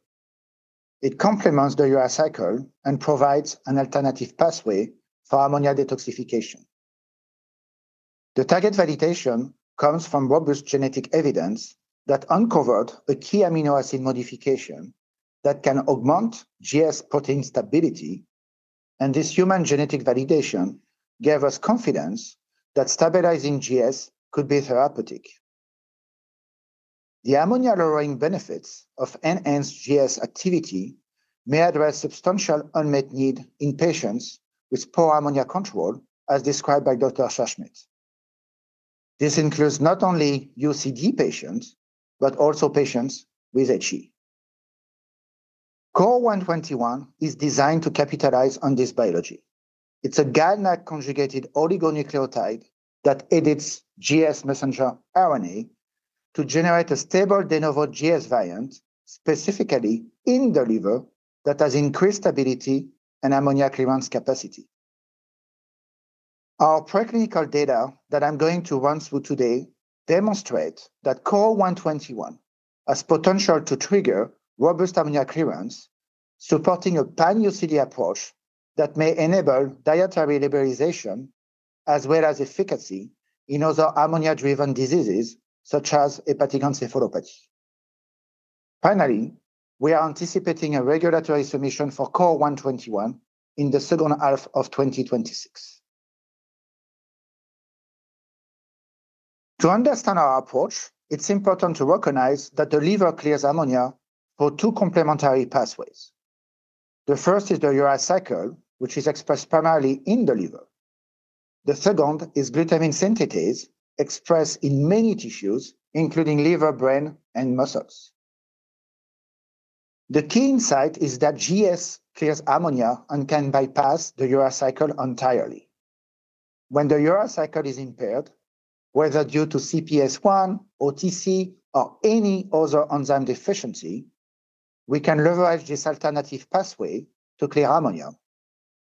[SPEAKER 7] It complements the urea cycle and provides an alternative pathway for ammonia detoxification. The target validation comes from robust genetic evidence that uncovered a key amino acid modification that can augment GS protein stability, and this human genetic validation gave us confidence that stabilizing GS could be therapeutic. The ammonia-lowering benefits of enhanced GS activity may address substantial unmet need in patients with poor ammonia control, as described by Dr. Scharschmidt. This includes not only UCD patients, but also patients with HE. KRRO-121 is designed to capitalize on this biology. It's a GalNAc-conjugated oligonucleotide that edits GS messenger RNA to generate a stable de novo GS variant, specifically in the liver, that has increased stability and ammonia clearance capacity. Our preclinical data that I'm going to run through today demonstrate that KRRO-121 has potential to trigger robust ammonia clearance, supporting a pan-UCD approach that may enable dietary liberalization, as well as efficacy in other ammonia-driven diseases, such as hepatic encephalopathy. Finally, we are anticipating a regulatory submission for KRRO-121 in the second half of 2026. To understand our approach, it's important to recognize that the liver clears ammonia for two complementary pathways. The first is the urea cycle, which is expressed primarily in the liver. The second is glutamine synthetase, expressed in many tissues, including liver, brain, and muscles. The key insight is that GS clears ammonia and can bypass the urea cycle entirely. When the urea cycle is impaired, whether due to CPS1, OTC, or any other enzyme deficiency, we can leverage this alternative pathway to clear ammonia,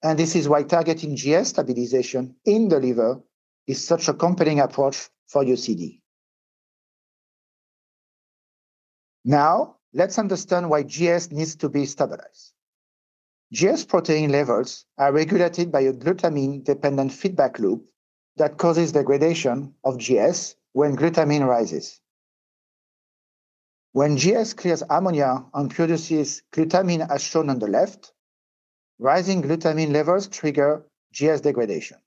[SPEAKER 7] and this is why targeting GS stabilization in the liver is such a compelling approach for UCD. Now, let's understand why GS needs to be stabilized. GS protein levels are regulated by a glutamine-dependent feedback loop that causes degradation of GS when glutamine rises. When GS clears ammonia and produces glutamine, as shown on the left, rising glutamine levels trigger GS degradation.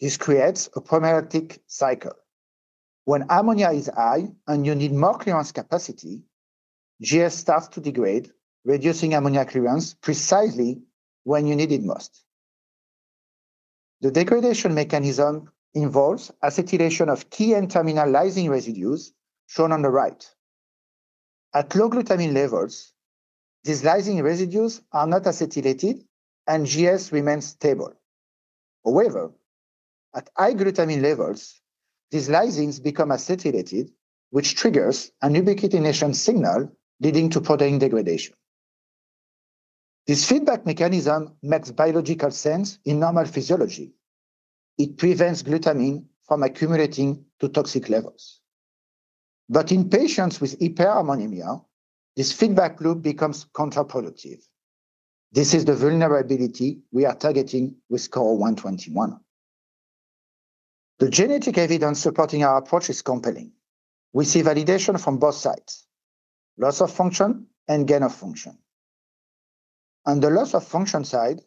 [SPEAKER 7] This creates a pernicious cycle. When ammonia is high and you need more clearance capacity, GS starts to degrade, reducing ammonia clearance precisely when you need it most... The degradation mechanism involves acetylation of key and terminal lysine residues shown on the right. At low glutamine levels, these lysine residues are not acetylated, and GS remains stable. However, at high glutamine levels, these lysines become acetylated, which triggers an ubiquitination signal leading to protein degradation. This feedback mechanism makes biological sense in normal physiology. It prevents glutamine from accumulating to toxic levels. But in patients with hyperammonemia, this feedback loop becomes counterproductive. This is the vulnerability we are targeting with KRRO-121. The genetic evidence supporting our approach is compelling. We see validation from both sides, loss of function and gain of function. On the loss of function side,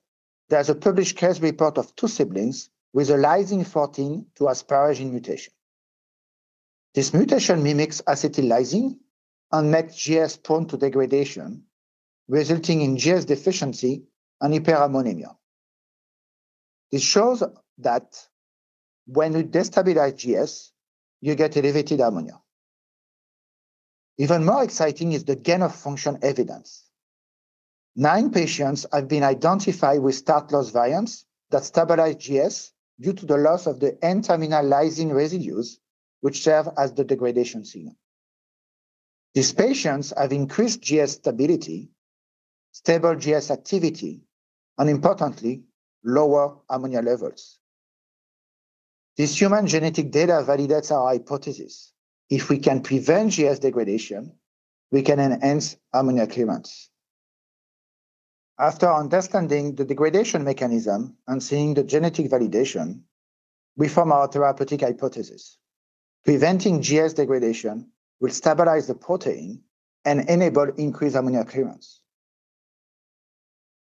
[SPEAKER 7] there's a published case report of two siblings with a lysine 14 to asparagine mutation. This mutation mimics acetyllysine and makes GS prone to degradation, resulting in GS deficiency and hyperammonemia. This shows that when you destabilize GS, you get elevated ammonia. Even more exciting is the gain of function evidence. Nine patients have been identified with start loss variants that stabilize GS due to the loss of the N-terminal lysine residues, which serve as the degradation signal. These patients have increased GS stability, stable GS activity, and importantly, lower ammonia levels. This human genetic data validates our hypothesis. If we can prevent GS degradation, we can enhance ammonia clearance. After understanding the degradation mechanism and seeing the genetic validation, we form our therapeutic hypothesis. Preventing GS degradation will stabilize the protein and enable increased ammonia clearance.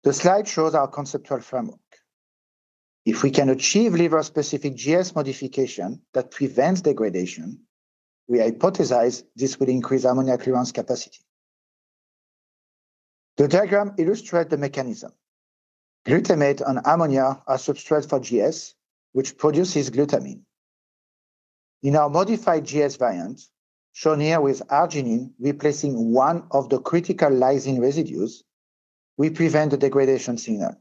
[SPEAKER 7] The slide shows our conceptual framework. If we can achieve liver-specific GS modification that prevents degradation, we hypothesize this will increase ammonia clearance capacity. The diagram illustrates the mechanism. Glutamate and ammonia are substrates for GS, which produces glutamine. In our modified GS variant, shown here with arginine replacing one of the critical lysine residues, we prevent the degradation signal.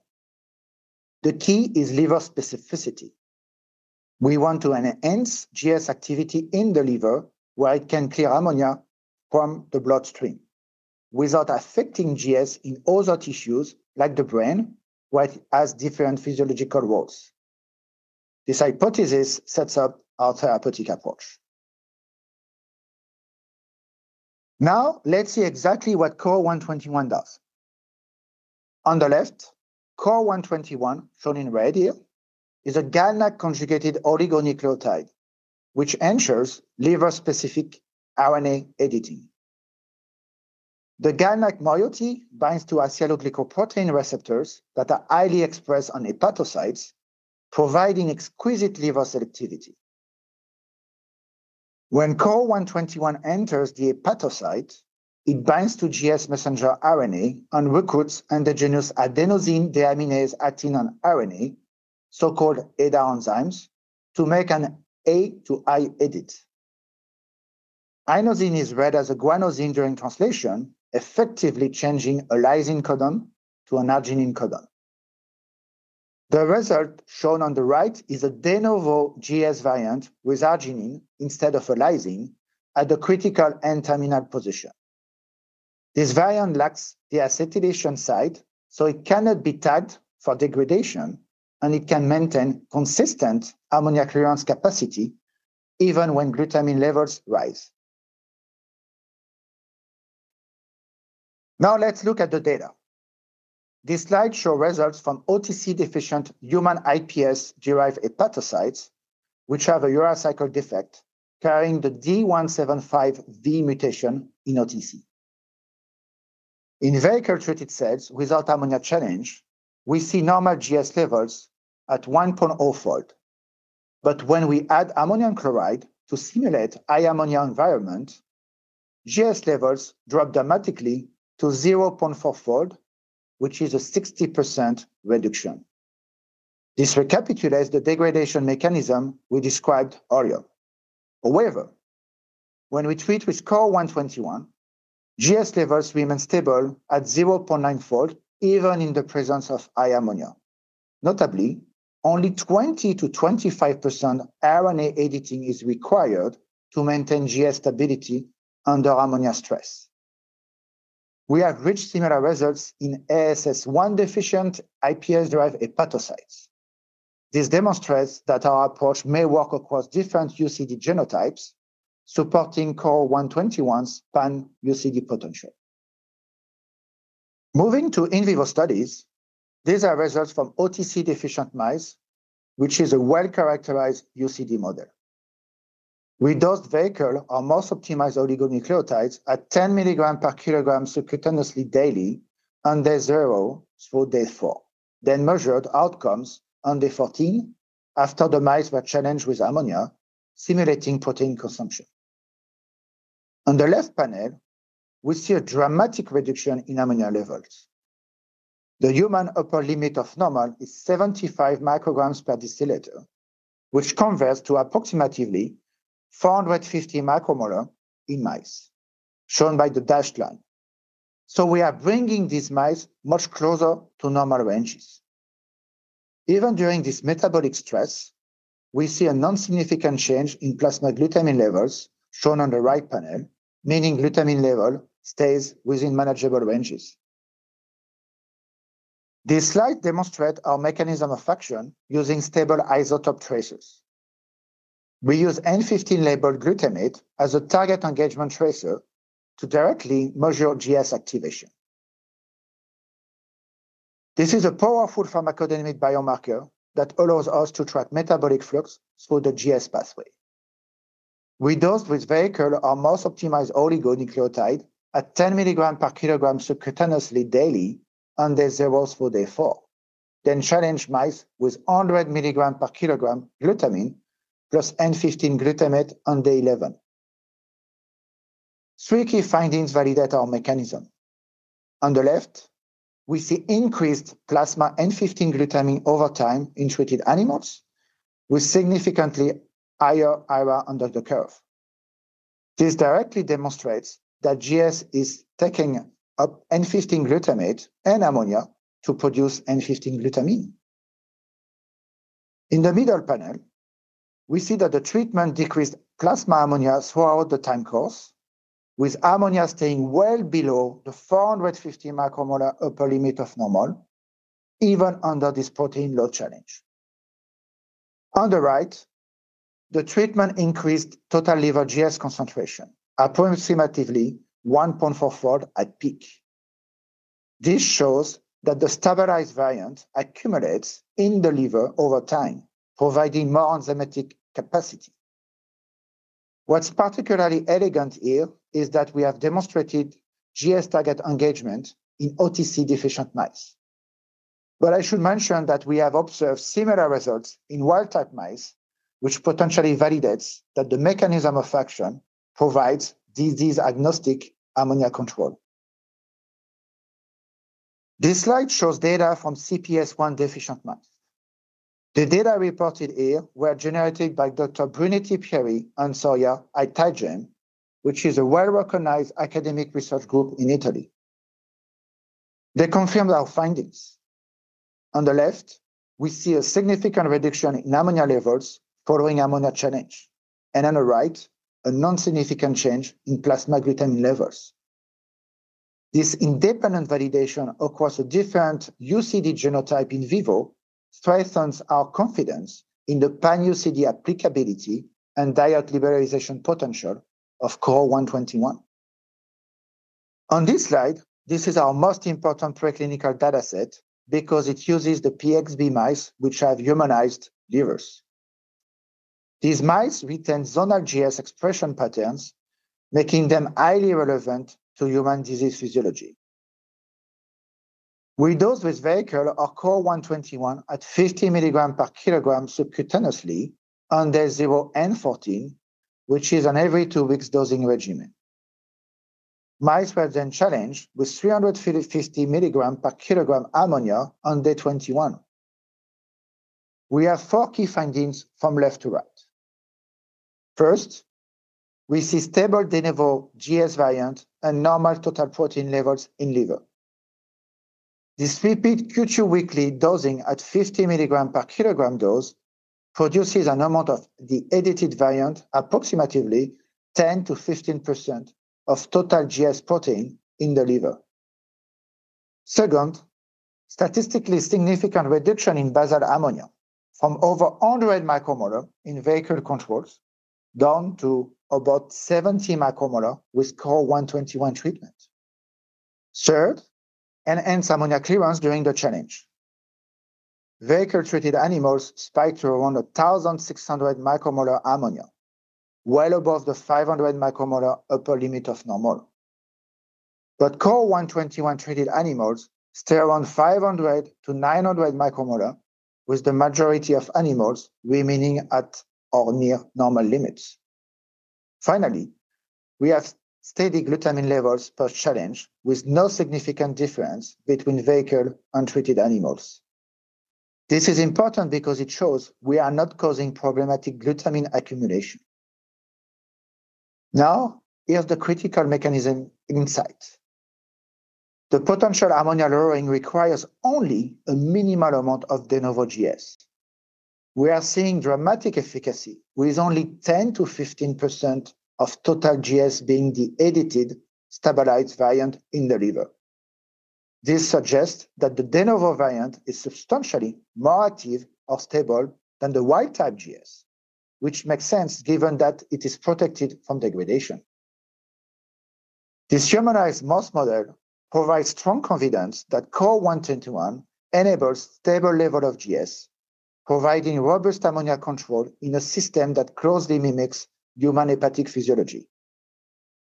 [SPEAKER 7] The key is liver specificity. We want to enhance GS activity in the liver, where it can clear ammonia from the bloodstream without affecting GS in other tissues like the brain, where it has different physiological roles. This hypothesis sets up our therapeutic approach. Now, let's see exactly what KRRO-121 does. On the left, KRRO-121, shown in red here, is a GalNAc-conjugated oligonucleotide, which ensures liver-specific RNA editing. The GalNAc moiety binds to asialoglycoprotein receptors that are highly expressed on hepatocytes, providing exquisite liver selectivity. When KRRO-121 enters the hepatocyte, it binds to GS messenger RNA and recruits endogenous Adenosine Deaminase Acting on RNA, so-called ADAR enzymes, to make an A to I edit. Inosine is read as a guanosine during translation, effectively changing a lysine codon to an arginine codon. The result shown on the right is a de novo GS variant with arginine instead of a lysine at the critical N-terminal position. This variant lacks the acetylation site, so it cannot be tagged for degradation, and it can maintain consistent ammonia clearance capacity even when glutamine levels rise. Now, let's look at the data. These slides show results from OTC-deficient human iPS-derived hepatocytes, which have a urea cycle defect carrying the D175V mutation in OTC. In vehicle-treated cells without ammonia challenge, we see normal GS levels at 1.0-fold. But when we add ammonium chloride to simulate high ammonia environment, GS levels drop dramatically to 0.4-fold, which is a 60% reduction. This recapitulates the degradation mechanism we described earlier. However, when we treat with KRRO-121, GS levels remain stable at 0.9-fold, even in the presence of high ammonia. Notably, only 20%-25% RNA editing is required to maintain GS stability under ammonia stress. We have reached similar results in ASS1-deficient iPS-derived hepatocytes. This demonstrates that our approach may work across different UCD genotypes, supporting KRRO-121's pan-UCD potential. Moving to in vivo studies, these are results from OTC-deficient mice, which is a well-characterized UCD model. We dosed vehicle or most optimized oligonucleotides at 10 mg/kg subcutaneously daily on day zero through day four, then measured outcomes on day 14 after the mice were challenged with ammonia, simulating protein consumption. On the left panel, we see a dramatic reduction in ammonia levels. The human upper limit of normal is 75 mcg per deciliter, which converts to approximately 450 micromolar in mice, shown by the dashed line. So we are bringing these mice much closer to normal ranges. Even during this metabolic stress, we see a non-significant change in plasma glutamine levels, shown on the right panel, meaning glutamine level stays within manageable ranges. This slide demonstrate our mechanism of action using stable isotope tracers. We use 15N-labeled glutamate as a target engagement tracer to directly measure GS activation. This is a powerful pharmacodynamic biomarker that allows us to track metabolic flux through the GS pathway. We dosed with vehicle our most optimized oligonucleotide at 10 mg/kg subcutaneously, daily, on day zero through day four, then challenged mice with 100 mg/kg glutamine, plus 15N-glutamate on day 11. Three key findings validate our mechanism. On the left, we see increased plasma 15N-glutamine over time in treated animals, with significantly higher AUC under the curve. This directly demonstrates that GS is taking up 15N-glutamate and ammonia to produce 15N-glutamine. In the middle panel, we see that the treatment decreased plasma ammonia throughout the time course, with ammonia staying well below the 450 micromolar upper limit of normal, even under this protein load challenge. On the right, the treatment increased total liver GS concentration, approximately 1.44 at peak. This shows that the stabilized variant accumulates in the liver over time, providing more enzymatic capacity. What's particularly elegant here is that we have demonstrated GS target engagement in OTC deficient mice. But I should mention that we have observed similar results in wild-type mice, which potentially validates that the mechanism of action provides disease-agnostic ammonia control. This slide shows data from CPS1 deficient mice. The data reported here were generated by Dr. Brunetti-Pierri and Sonia Ait-Tayeb, which is a well-recognized academic research group in Italy. They confirmed our findings. On the left, we see a significant reduction in ammonia levels following ammonia challenge, and on the right, a non-significant change in plasma glutamine levels. This independent validation across a different UCD genotype in vivo strengthens our confidence in the pan-UCD applicability and diet liberalization potential of KRRO-121. On this slide, this is our most important preclinical dataset because it uses the PXB-mice, which have humanized livers. These mice retain zonal GS expression patterns, making them highly relevant to human disease physiology. We dosed with vehicle or KRRO-121 at 50 mg/kg subcutaneously on day zero and 14, which is an every two weeks dosing regimen. Mice were then challenged with 350 mg/kg ammonia on day 21. We have four key findings from left to right. First, we see stable de novo GS variant and normal total protein levels in liver. This repeated weekly dosing at 50 mg/kg dose produces an amount of the edited variant, approximately 10%-15% of total GS protein in the liver. Second, statistically significant reduction in basal ammonia from over 100 micromolar in vehicle controls, down to about 70 micromolar with KRRO-121 treatment. Third, enhanced ammonia clearance during the challenge. Vehicle-treated animals spiked to around 1,600 micromolar ammonia, well above the 500 micromolar upper limit of normal. But KRRO-121-treated animals stay around 500-900 micromolar, with the majority of animals remaining at or near normal limits. Finally, we have steady glutamine levels per challenge, with no significant difference between vehicle and treated animals. This is important because it shows we are not causing problematic glutamine accumulation. Now, here's the critical mechanism insight. The potential ammonia lowering requires only a minimal amount of de novo GS. We are seeing dramatic efficacy, with only 10%-15% of total GS being the edited, stabilized variant in the liver. This suggests that the de novo variant is substantially more active or stable than the wild-type GS, which makes sense given that it is protected from degradation. This humanized mouse model provides strong confidence that KRRO-121 enables stable level of GS, providing robust ammonia control in a system that closely mimics human hepatic physiology.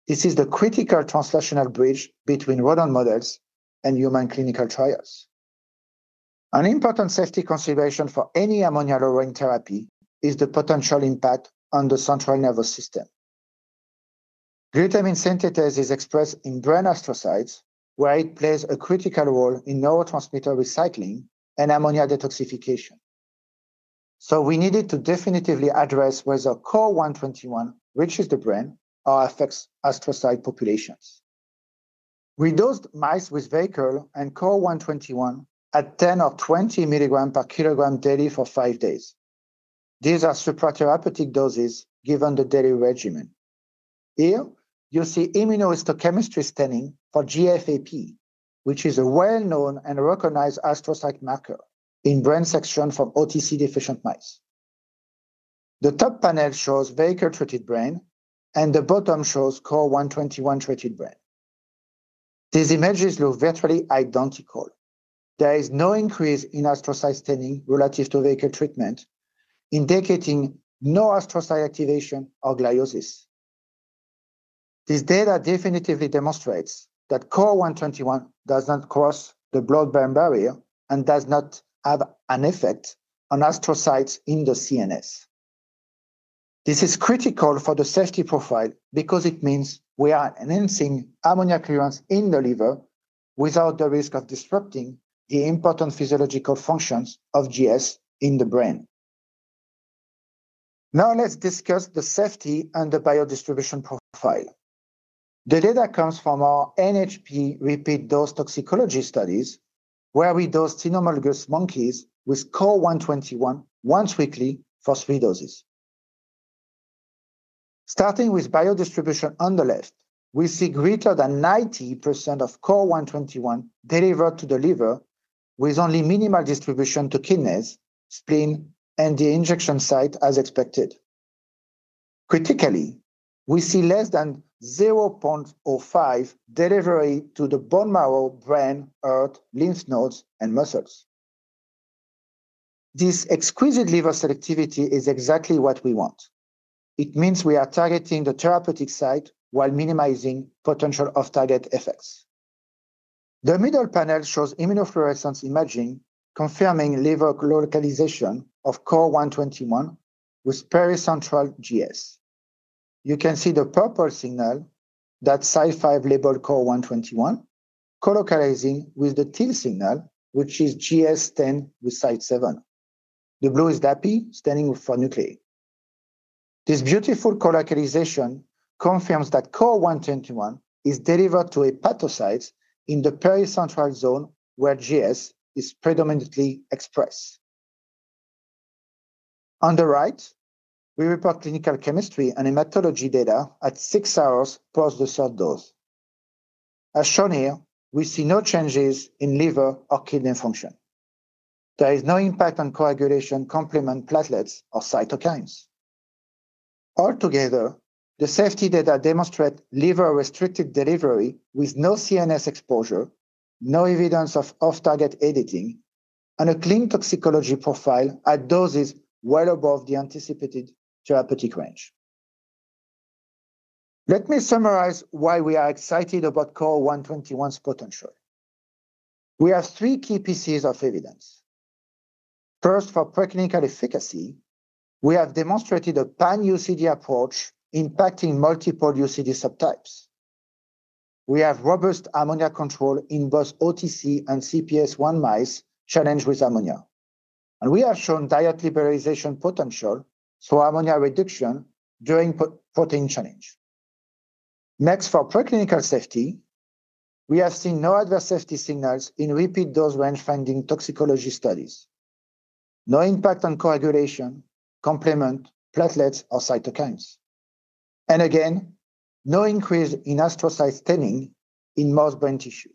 [SPEAKER 7] This is the critical translational bridge between rodent models and human clinical trials. An important safety consideration for any ammonia-lowering therapy is the potential impact on the central nervous system. Glutamine synthetase is expressed in brain astrocytes, where it plays a critical role in neurotransmitter recycling and ammonia detoxification. We needed to definitively address whether KRRO-121 reaches the brain or affects astrocyte populations. We dosed mice with vehicle and KRRO-121 at 10 or 20 mg/kg daily for 5 days. These are supratherapeutic doses given the daily regimen. Here, you see immunohistochemistry staining for GFAP, which is a well-known and recognized astrocyte marker in brain section from OTC deficient mice. The top panel shows vehicle-treated brain, and the bottom shows KRRO-121-treated brain. These images look virtually identical. There is no increase in astrocyte staining relative to vehicle treatment, indicating no astrocyte activation or gliosis. This data definitively demonstrates that KRRO-121 does not cross the blood-brain barrier and does not have an effect on astrocytes in the CNS.
[SPEAKER 8] This is critical for the safety profile because it means we are enhancing ammonia clearance in the liver without the risk of disrupting the important physiological functions of GS in the brain. Now let's discuss the safety and the biodistribution profile. The data comes from our NHP repeat dose toxicology studies, where we dose cynomolgus monkeys with KRRO-121 once weekly for three doses. Starting with biodistribution on the left, we see greater than 90% of KRRO-121 delivered to the liver, with only minimal distribution to kidneys, spleen, and the injection site, as expected. Critically, we see less than 0.05 delivery to the bone marrow, brain, heart, lymph nodes, and muscles. This exquisite liver selectivity is exactly what we want. It means we are targeting the therapeutic site while minimizing potential off-target effects. The middle panel shows immunofluorescence imaging, confirming liver localization of KRRO-121 with pericentral GS. You can see the purple signal, that Cy5 label KRRO-121, colocalizing with the teal signal, which is GS with Cy7. The blue is DAPI, standing for nuclei. This beautiful colocalization confirms that KRRO-121 is delivered to hepatocytes in the pericentral zone, where GS is predominantly expressed. On the right, we report clinical chemistry and hematology data at six hours post the third dose. As shown here, we see no changes in liver or kidney function. There is no impact on coagulation, complement, platelets, or cytokines. Altogether, the safety data demonstrate liver-restricted delivery with no CNS exposure, no evidence of off-target editing, and a clean toxicology profile at doses well above the anticipated therapeutic range. Let me summarize why we are excited about KRRO-121's potential. We have three key pieces of evidence. First, for preclinical efficacy, we have demonstrated a pan-UCD approach impacting multiple UCD subtypes. We have robust ammonia control in both OTC and CPS1 mice challenged with ammonia, and we have shown diet liberalization potential, so ammonia reduction during pro-protein challenge. Next, for preclinical safety, we have seen no adverse safety signals in repeat dose range-finding toxicology studies, no impact on coagulation, complement, platelets, or cytokines, and again, no increase in astrocyte staining in mouse brain tissue.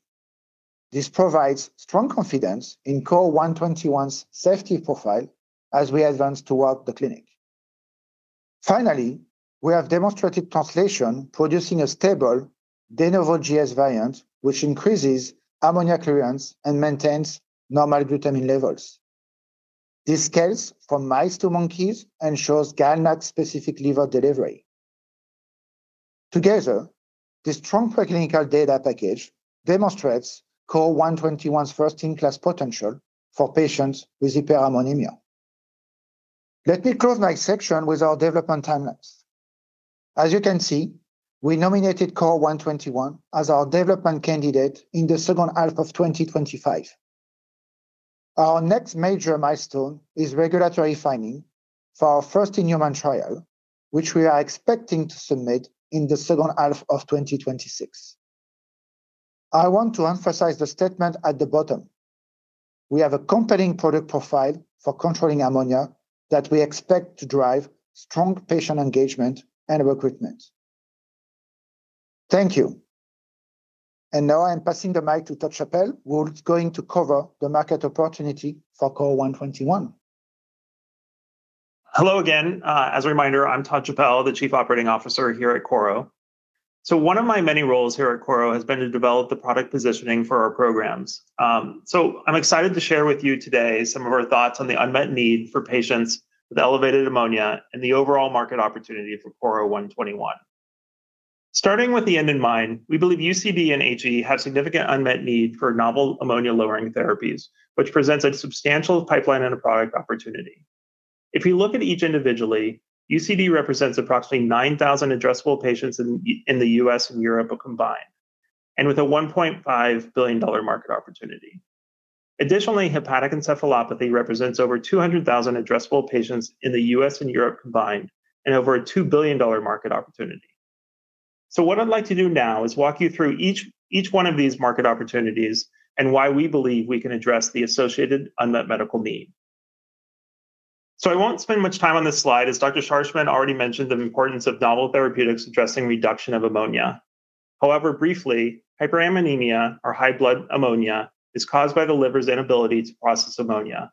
[SPEAKER 8] This provides strong confidence in KRRO-121's safety profile as we advance toward the clinic. Finally, we have demonstrated translation producing a stable de novo GS variant, which increases ammonia clearance and maintains normal glutamine levels. This scales from mice to monkeys and shows GalNAc specific liver delivery. Together, this strong preclinical data package demonstrates KRRO-121's first-in-class potential for patients with hyperammonemia. Let me close my section with our development timeline. As you can see, we nominated KRRO-121 as our development candidate in the second half of 2025. Our next major milestone is regulatory filing for our first human trial, which we are expecting to submit in the second half of 2026. I want to emphasize the statement at the bottom. We have a compelling product profile for controlling ammonia that we expect to drive strong patient engagement and recruitment. Thank you. And now I'm passing the mic to Todd Chappell, who's going to cover the market opportunity for KRRO-121.
[SPEAKER 3] Hello again. As a reminder, I'm Todd Chappell, the Chief Operating Officer here at Korro. So one of my many roles here at Korro has been to develop the product positioning for our programs. So I'm excited to share with you today some of our thoughts on the unmet need for patients with elevated ammonia and the overall market opportunity for KRRO-121. Starting with the end in mind, we believe UCD and HE have significant unmet need for novel ammonia-lowering therapies, which presents a substantial pipeline and a product opportunity. If you look at each individually, UCD represents approximately 9,000 addressable patients in the US and Europe combined, and with a $1.5 billion market opportunity. Additionally, hepatic encephalopathy represents over 200,000 addressable patients in the U.S. and Europe combined, and over a $2 billion market opportunity. So what I'd like to do now is walk you through each, each one of these market opportunities and why we believe we can address the associated unmet medical need. So I won't spend much time on this slide, as Dr. Scharschmidt already mentioned the importance of novel therapeutics addressing reduction of ammonia. However, briefly, hyperammonemia, or high blood ammonia, is caused by the liver's inability to process ammonia,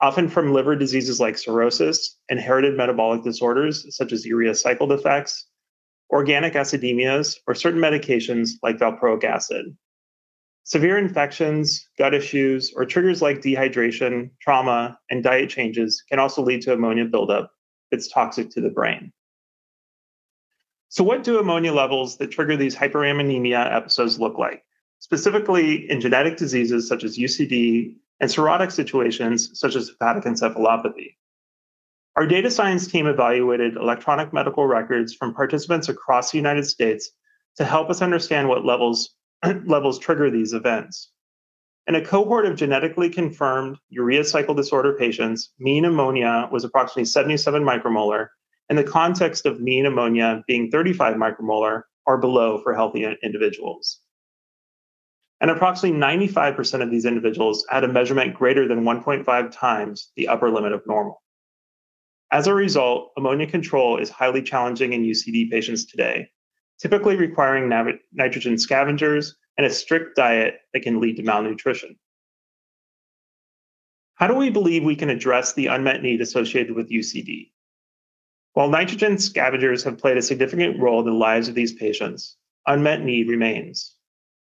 [SPEAKER 3] often from liver diseases like cirrhosis, inherited metabolic disorders, such as urea cycle defects, organic acidemias, or certain medications like valproic acid. Severe infections, gut issues, or triggers like dehydration, trauma, and diet changes can also lead to ammonia buildup that's toxic to the brain. So what do ammonia levels that trigger these hyperammonemia episodes look like, specifically in genetic diseases such as UCD and cirrhotic situations such as hepatic encephalopathy? Our data science team evaluated electronic medical records from participants across the United States to help us understand what levels trigger these events. In a cohort of genetically confirmed urea cycle disorder patients, mean ammonia was approximately 77 micromolar, in the context of mean ammonia being 35 micromolar or below for healthy individuals. Approximately 95% of these individuals had a measurement greater than 1.5 times the upper limit of normal. As a result, ammonia control is highly challenging in UCD patients today, typically requiring IV nitrogen scavengers and a strict diet that can lead to malnutrition. How do we believe we can address the unmet need associated with UCD? While nitrogen scavengers have played a significant role in the lives of these patients, unmet need remains.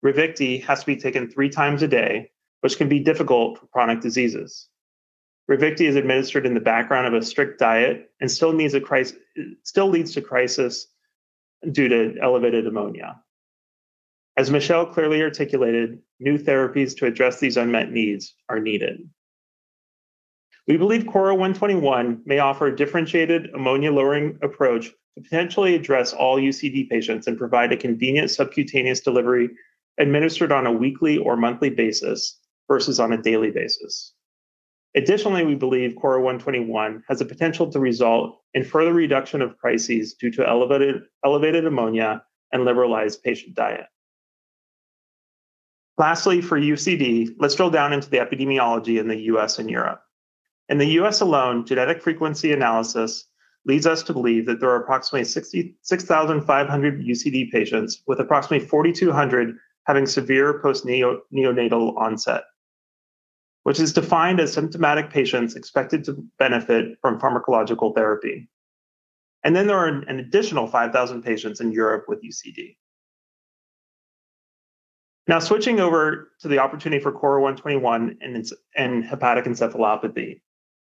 [SPEAKER 3] Ravicti has to be taken three times a day, which can be difficult for chronic diseases. Ravicti is administered in the background of a strict diet and still leads to crisis due to elevated ammonia. As Michelle clearly articulated, new therapies to address these unmet needs are needed. We believe KRRO-121 may offer a differentiated ammonia-lowering approach to potentially address all UCD patients and provide a convenient subcutaneous delivery administered on a weekly or monthly basis versus on a daily basis. Additionally, we believe KRRO-121 has the potential to result in further reduction of crises due to elevated ammonia and liberalized patient diet. Lastly, for UCD, let's drill down into the epidemiology in the US and Europe. In the US alone, genetic frequency analysis leads us to believe that there are approximately 66,500 UCD patients, with approximately 4,200 having severe post-neonatal onset, which is defined as symptomatic patients expected to benefit from pharmacological therapy. Then there are an additional 5,000 patients in Europe with UCD. Now, switching over to the opportunity for KRRO-121 and its and hepatic encephalopathy.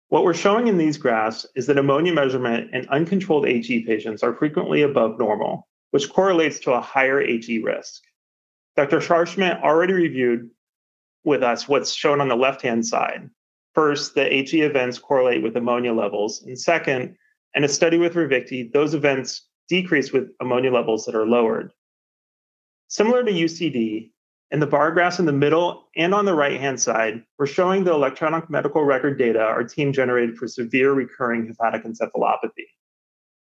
[SPEAKER 3] What we're showing in these graphs is that ammonia measurement in uncontrolled HE patients are frequently above normal, which correlates to a higher HE risk. Dr. Scharschmidt already reviewed with us what's shown on the left-hand side. First, the HE events correlate with ammonia levels. And second, in a study with Ravicti, those events decrease with ammonia levels that are lowered. Similar to UCD, in the bar graphs in the middle and on the right-hand side, we're showing the electronic medical record data our team generated for severe recurring hepatic encephalopathy.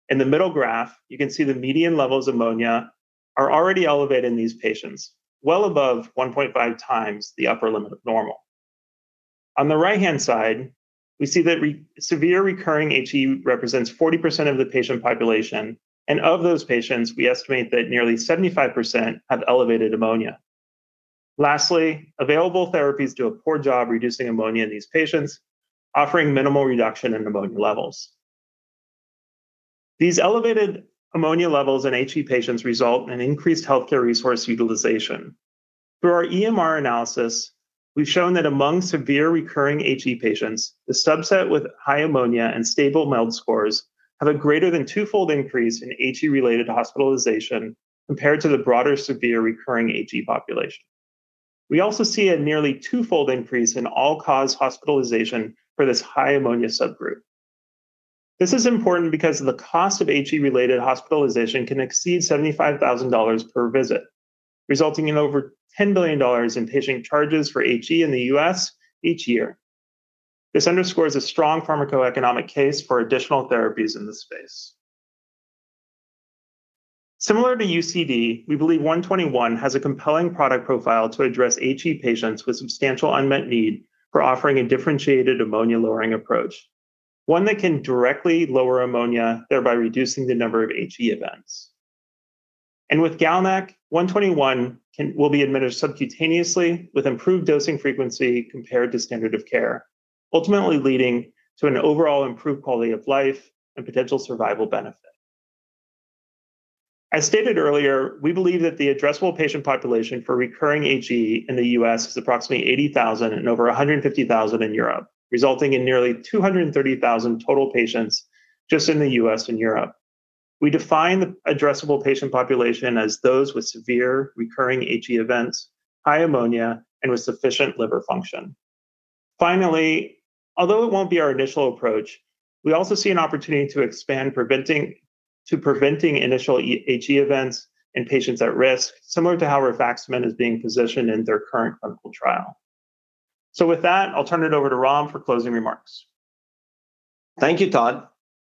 [SPEAKER 3] In the middle graph, you can see the median levels of ammonia are already elevated in these patients, well above one point five times the upper limit of normal. On the right-hand side, we see that severe recurring HE represents 40% of the patient population, and of those patients, we estimate that nearly 75% have elevated ammonia. Lastly, available therapies do a poor job reducing ammonia in these patients, offering minimal reduction in ammonia levels. These elevated ammonia levels in HE patients result in increased healthcare resource utilization. Through our EMR analysis, we've shown that among severe recurring HE patients, the subset with high ammonia and stable MELD scores have a greater than twofold increase in HE-related hospitalization compared to the broader severe recurring HE population. We also see a nearly twofold increase in all-cause hospitalization for this high ammonia subgroup. This is important because the cost of HE-related hospitalization can exceed $75,000 per visit, resulting in over $10 billion in patient charges for HE in the U.S. each year. This underscores a strong pharmacoeconomic case for additional therapies in this space. Similar to UCD, we believe 121 has a compelling product profile to address HE patients with substantial unmet need for offering a differentiated ammonia-lowering approach, one that can directly lower ammonia, thereby reducing the number of HE events. And with GalNAc, 121 will be administered subcutaneously with improved dosing frequency compared to standard of care, ultimately leading to an overall improved quality of life and potential survival benefit. As stated earlier, we believe that the addressable patient population for recurring HE in the U.S. is approximately 80,000 and over 150,000 in Europe, resulting in nearly 230,000 total patients just in the U.S. and Europe. We define the addressable patient population as those with severe recurring HE events, high ammonia, and with sufficient liver function. Finally, although it won't be our initial approach, we also see an opportunity to expand to preventing initial HE events in patients at risk, similar to how rifaximin is being positioned in their current clinical trial. So with that, I'll turn it over to Ram for closing remarks.
[SPEAKER 2] Thank you, Todd,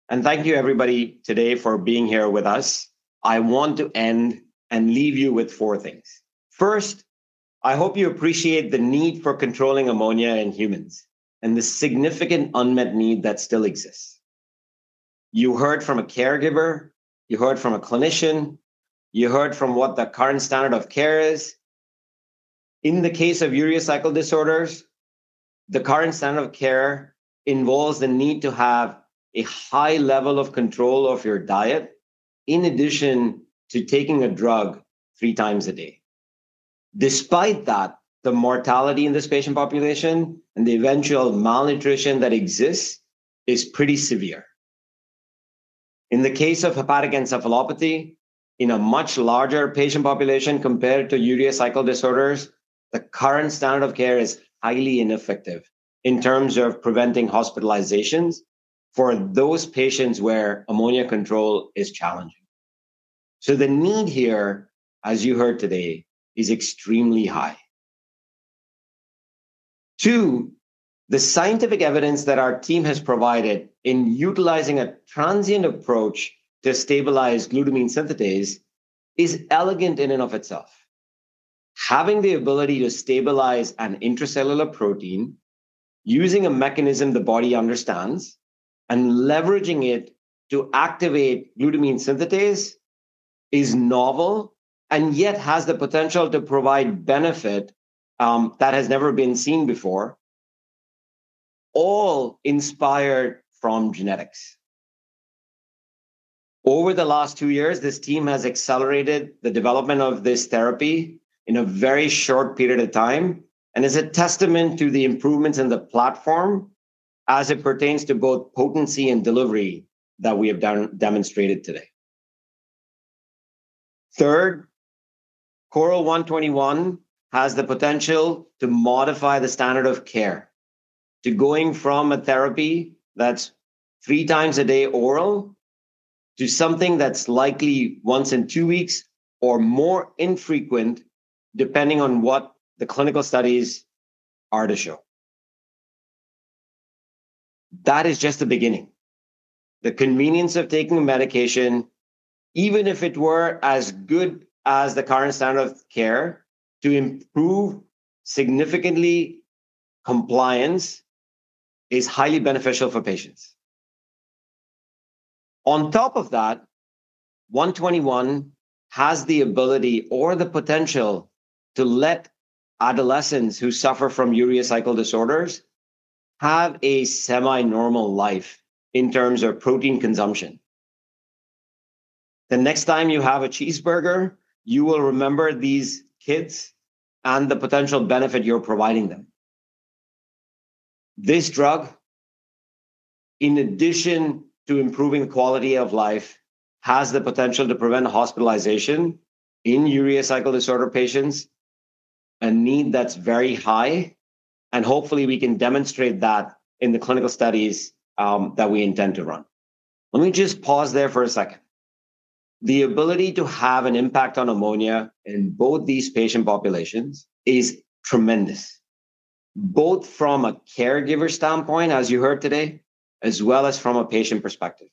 [SPEAKER 2] and thank you everybody today for being here with us. I want to end and leave you with four things. First, I hope you appreciate the need for controlling ammonia in humans, and the significant unmet need that still exists. You heard from a caregiver, you heard from a clinician, you heard from what the current standard of care is. In the case of urea cycle disorders, the current standard of care involves the need to have a high level of control of your diet, in addition to taking a drug three times a day. Despite that, the mortality in this patient population and the eventual malnutrition that exists is pretty severe. In the case of hepatic encephalopathy, in a much larger patient population compared to urea cycle disorders, the current standard of care is highly ineffective in terms of preventing hospitalizations for those patients where ammonia control is challenging. So the need here, as you heard today, is extremely high. Two, the scientific evidence that our team has provided in utilizing a transient approach to stabilize glutamine synthetase is elegant in and of itself. Having the ability to stabilize an intracellular protein using a mechanism the body understands, and leveraging it to activate glutamine synthetase, is novel, and yet has the potential to provide benefit, that has never been seen before, all inspired from genetics. Over the last two years, this team has accelerated the development of this therapy in a very short period of time, and is a testament to the improvements in the platform as it pertains to both potency and delivery that we have demonstrated today. Third, KRRO-121 has the potential to modify the standard of care, to going from a therapy that's three times a day oral, to something that's likely once in two weeks or more infrequent, depending on what the clinical studies are to show. That is just the beginning. The convenience of taking medication, even if it were as good as the current standard of care, to improve significantly compliance, is highly beneficial for patients. On top of that, KRRO-121 has the ability or the potential to let adolescents who suffer from urea cycle disorders have a semi-normal life in terms of protein consumption. The next time you have a cheeseburger, you will remember these kids and the potential benefit you're providing them. This drug, in addition to improving quality of life, has the potential to prevent hospitalization in urea cycle disorder patients, a need that's very high, and hopefully we can demonstrate that in the clinical studies that we intend to run. Let me just pause there for a second. The ability to have an impact on ammonia in both these patient populations is tremendous, both from a caregiver standpoint, as you heard today, as well as from a patient perspective.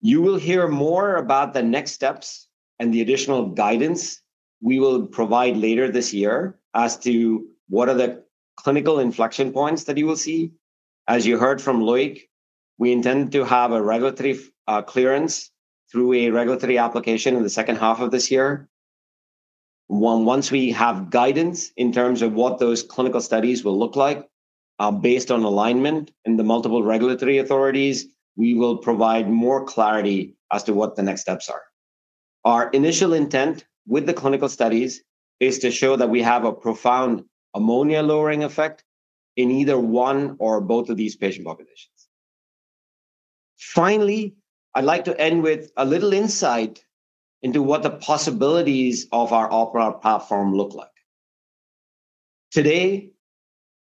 [SPEAKER 2] You will hear more about the next steps and the additional guidance we will provide later this year as to what are the clinical inflection points that you will see. As you heard from Loïc, we intend to have a regulatory clearance through a regulatory application in the second half of this year. Once we have guidance in terms of what those clinical studies will look like, based on alignment in the multiple regulatory authorities, we will provide more clarity as to what the next steps are. Our initial intent with the clinical studies is to show that we have a profound ammonia-lowering effect in either one or both of these patient populations. Finally, I'd like to end with a little insight into what the possibilities of our OPERA platform look like. Today,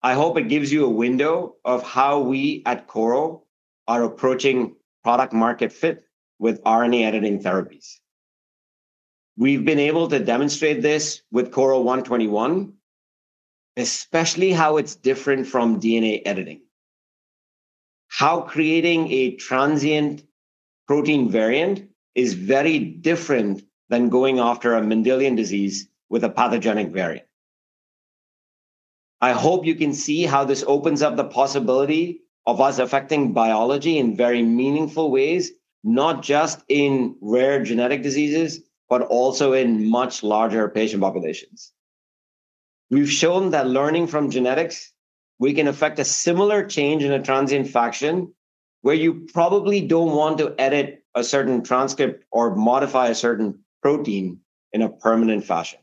[SPEAKER 2] I hope it gives you a window of how we at Korro are approaching product-market fit with RNA editing therapies. We've been able to demonstrate this with KRRO-121, especially how it's different from DNA editing, how creating a transient protein variant is very different than going after a Mendelian disease with a pathogenic variant. I hope you can see how this opens up the possibility of us affecting biology in very meaningful ways, not just in rare genetic diseases, but also in much larger patient populations. We've shown that learning from genetics, we can affect a similar change in a transient fashion, where you probably don't want to edit a certain transcript or modify a certain protein in a permanent fashion....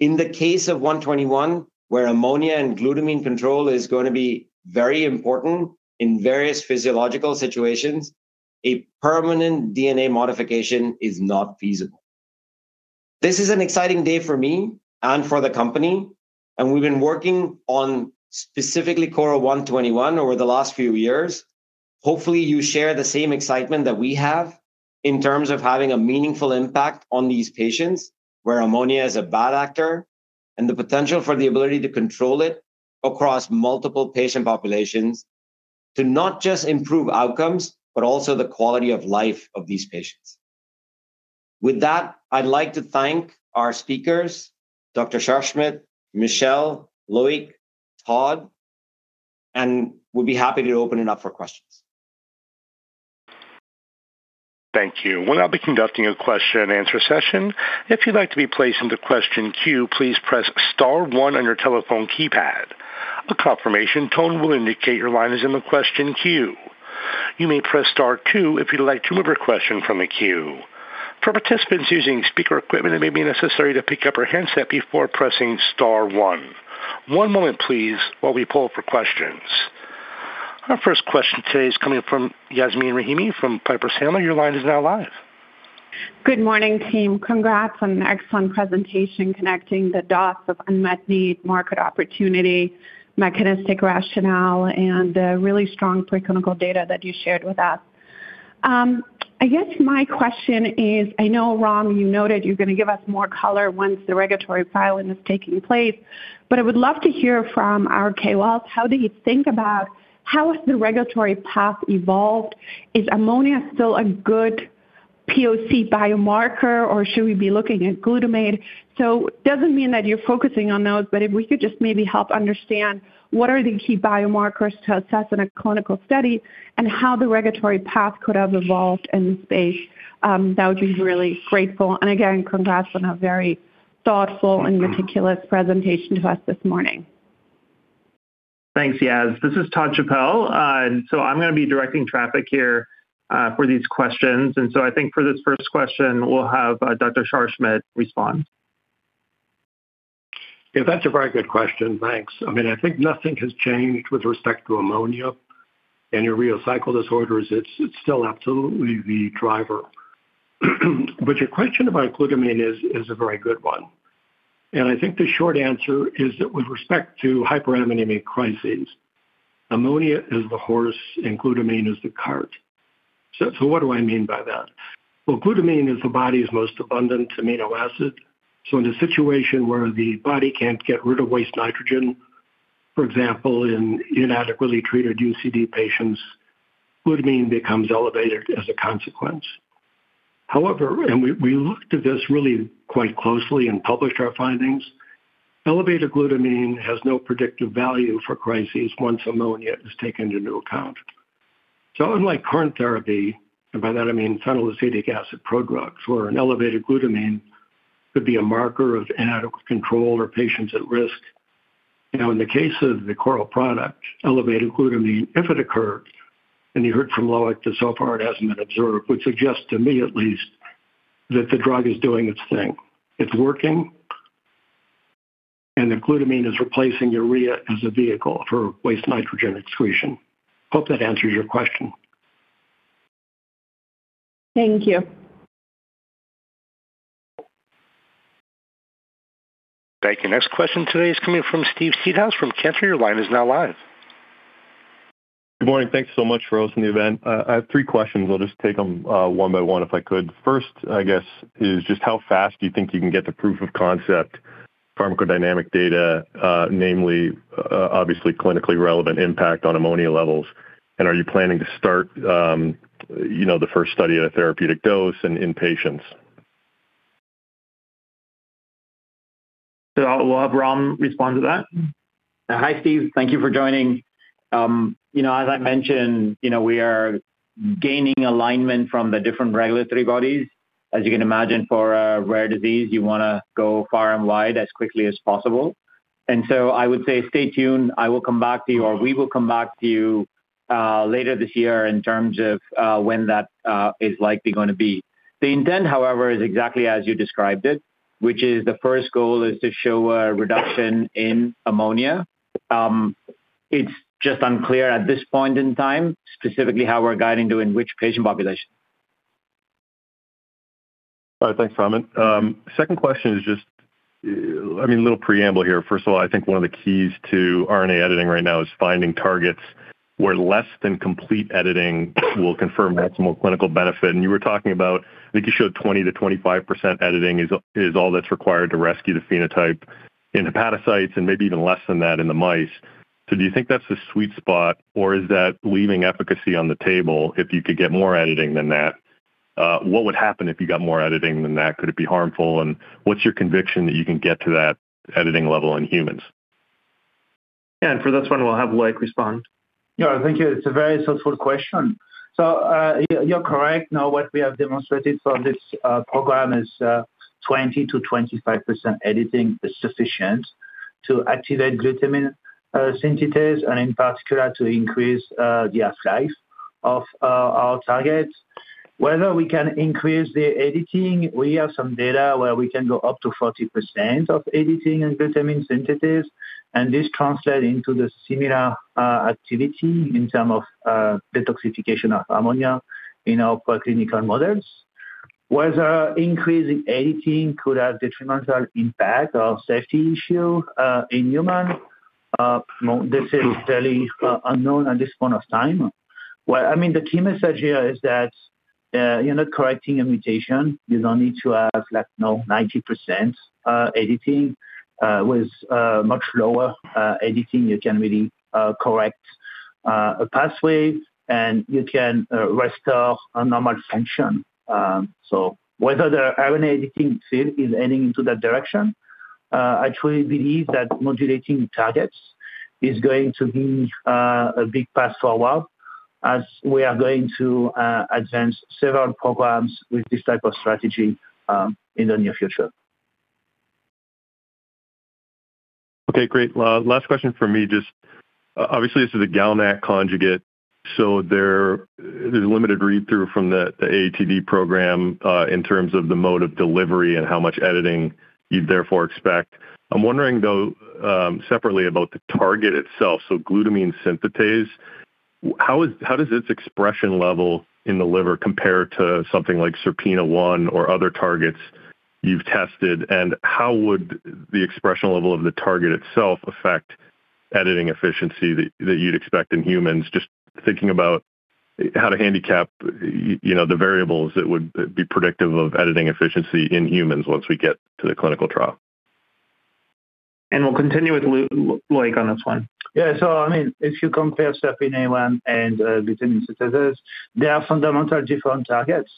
[SPEAKER 2] In the case of KRRO-121, where ammonia and glutamine control is going to be very important in various physiological situations, a permanent DNA modification is not feasible. This is an exciting day for me and for the company, and we've been working on specifically KRRO-121 over the last few years. Hopefully, you share the same excitement that we have in terms of having a meaningful impact on these patients, where ammonia is a bad actor, and the potential for the ability to control it across multiple patient populations, to not just improve outcomes, but also the quality of life of these patients. With that, I'd like to thank our speakers, Dr. Scharschmidt, Michelle, Loïc, Todd, and we'll be happy to open it up for questions.
[SPEAKER 1] Thank you. We'll now be conducting a question and answer session. If you'd like to be placed in the question queue, please press star one on your telephone keypad. A confirmation tone will indicate your line is in the question queue. You may press star two if you'd like to remove a question from the queue. For participants using speaker equipment, it may be necessary to pick up your handset before pressing star one. One moment, please, while we pull for questions. Our first question today is coming from Yasmeen Rahimi from Piper Sandler. Your line is now live.
[SPEAKER 9] Good morning, team. Congrats on an excellent presentation connecting the dots of unmet need, market opportunity, mechanistic rationale, and the really strong preclinical data that you shared with us. I guess my question is, I know, Ram, you noted you're going to give us more color once the regulatory filing has taken place, but I would love to hear from our KLs, how do you think about how has the regulatory path evolved? Is ammonia still a good POC biomarker, or should we be looking at glutamate? So doesn't mean that you're focusing on those, but if we could just maybe help understand what are the key biomarkers to assess in a clinical study and how the regulatory path could have evolved in this space, that would be really grateful. And again, congrats on a very thoughtful and meticulous presentation to us this morning.
[SPEAKER 3] Thanks, Yas. This is Todd Chappell. So I'm going to be directing traffic here for these questions. So I think for this first question, we'll have Dr. Scharschmidt respond.
[SPEAKER 6] Yeah, that's a very good question. Thanks. I mean, I think nothing has changed with respect to ammonia and Urea Cycle Disorders. It's, it's still absolutely the driver. But your question about glutamine is, is a very good one, and I think the short answer is that with respect to hyperammonemic crises, ammonia is the horse and glutamine is the cart. So, so what do I mean by that? Well, glutamine is the body's most abundant amino acid. So in a situation where the body can't get rid of waste nitrogen, for example, in inadequately treated UCD patients, glutamine becomes elevated as a consequence. However, and we, we looked at this really quite closely and published our findings, elevated glutamine has no predictive value for crises once ammonia is taken into account. So unlike current therapy, and by that I mean phenylacetic acid prodrug, where an elevated glutamine could be a marker of inadequate control or patients at risk. Now, in the case of the Korro product, elevated glutamine, if it occurs, and you heard from Loïc, that so far it hasn't been observed, would suggest to me at least, that the drug is doing its thing. It's working, and the glutamine is replacing urea as a vehicle for waste nitrogen excretion. Hope that answers your question.
[SPEAKER 9] Thank you.
[SPEAKER 1] Thank you. Next question today is coming from Steve Seedhouse from Cantor. Your line is now live.
[SPEAKER 10] Good morning. Thanks so much for hosting the event. I have three questions. I'll just take them one by one, if I could. First, I guess, is just how fast do you think you can get the proof of concept, pharmacodynamic data, namely, obviously clinically relevant impact on ammonia levels? And are you planning to start, you know, the first study at a therapeutic dose in patients?
[SPEAKER 3] We'll have Ram respond to that.
[SPEAKER 2] Hi, Steve. Thank you for joining. You know, as I mentioned, you know, we are gaining alignment from the different regulatory bodies. As you can imagine, for a rare disease, you want to go far and wide as quickly as possible. And so I would say stay tuned. I will come back to you, or we will come back to you, later this year in terms of when that is likely going to be. The intent, however, is exactly as you described it, which is the first goal is to show a reduction in ammonia. It's just unclear at this point in time, specifically how we're guiding to in which patient population.
[SPEAKER 10] All right, thanks, Ram. Second question is just, I mean, a little preamble here. First of all, I think one of the keys to RNA editing right now is finding targets where less than complete editing will confer maximal clinical benefit. And you were talking about, I think you showed 20%-25% editing is all that's required to rescue the phenotype in hepatocytes and maybe even less than that in the mice. So do you think that's the sweet spot, or is that leaving efficacy on the table if you could get more editing than that? What would happen if you got more editing than that? Could it be harmful? And what's your conviction that you can get to that editing level in humans?
[SPEAKER 3] For this one, we'll have Loïc respond.
[SPEAKER 7] Yeah, thank you. It's a very thoughtful question. So, you're correct. Now, what we have demonstrated for this program is 20%-25% editing is sufficient to activate glutamine synthetase, and in particular, to increase the half-life of our targets. Whether we can increase the editing, we have some data where we can go up to 40% editing and glutamine synthetase, and this translate into the similar activity in terms of detoxification of ammonia in our preclinical models. Whether increase in editing could have detrimental impact or safety issue in human, no, this is fairly unknown at this point of time. Well, I mean, the key message here is that you're not correcting a mutation. You don't need to have, like, you know, 90% editing. With much lower editing, you can really correct a pathway, and you can restore a normal function. So whether the RNA editing field is heading into that direction, I truly believe that modulating targets is going to be a big path forward as we are going to advance several programs with this type of strategy in the near future.
[SPEAKER 10] Okay, great. Last question for me, just, obviously, this is a GalNAc conjugate, so there, there's limited read-through from the, the AATD program, in terms of the mode of delivery and how much editing you'd therefore expect. I'm wondering, though, separately about the target itself. So Glutamine Synthetase, how does its expression level in the liver compare to something like SERPINA1 or other targets you've tested, and how would the expression level of the target itself affect editing efficiency that, that you'd expect in humans? Just thinking about how to handicap, you know, the variables that would, be predictive of editing efficiency in humans once we get to the clinical trial.
[SPEAKER 2] We'll continue with Loïc on this one.
[SPEAKER 7] Yeah, so I mean, if you compare SERPINA1 and glutamine synthetase, they are fundamentally different targets.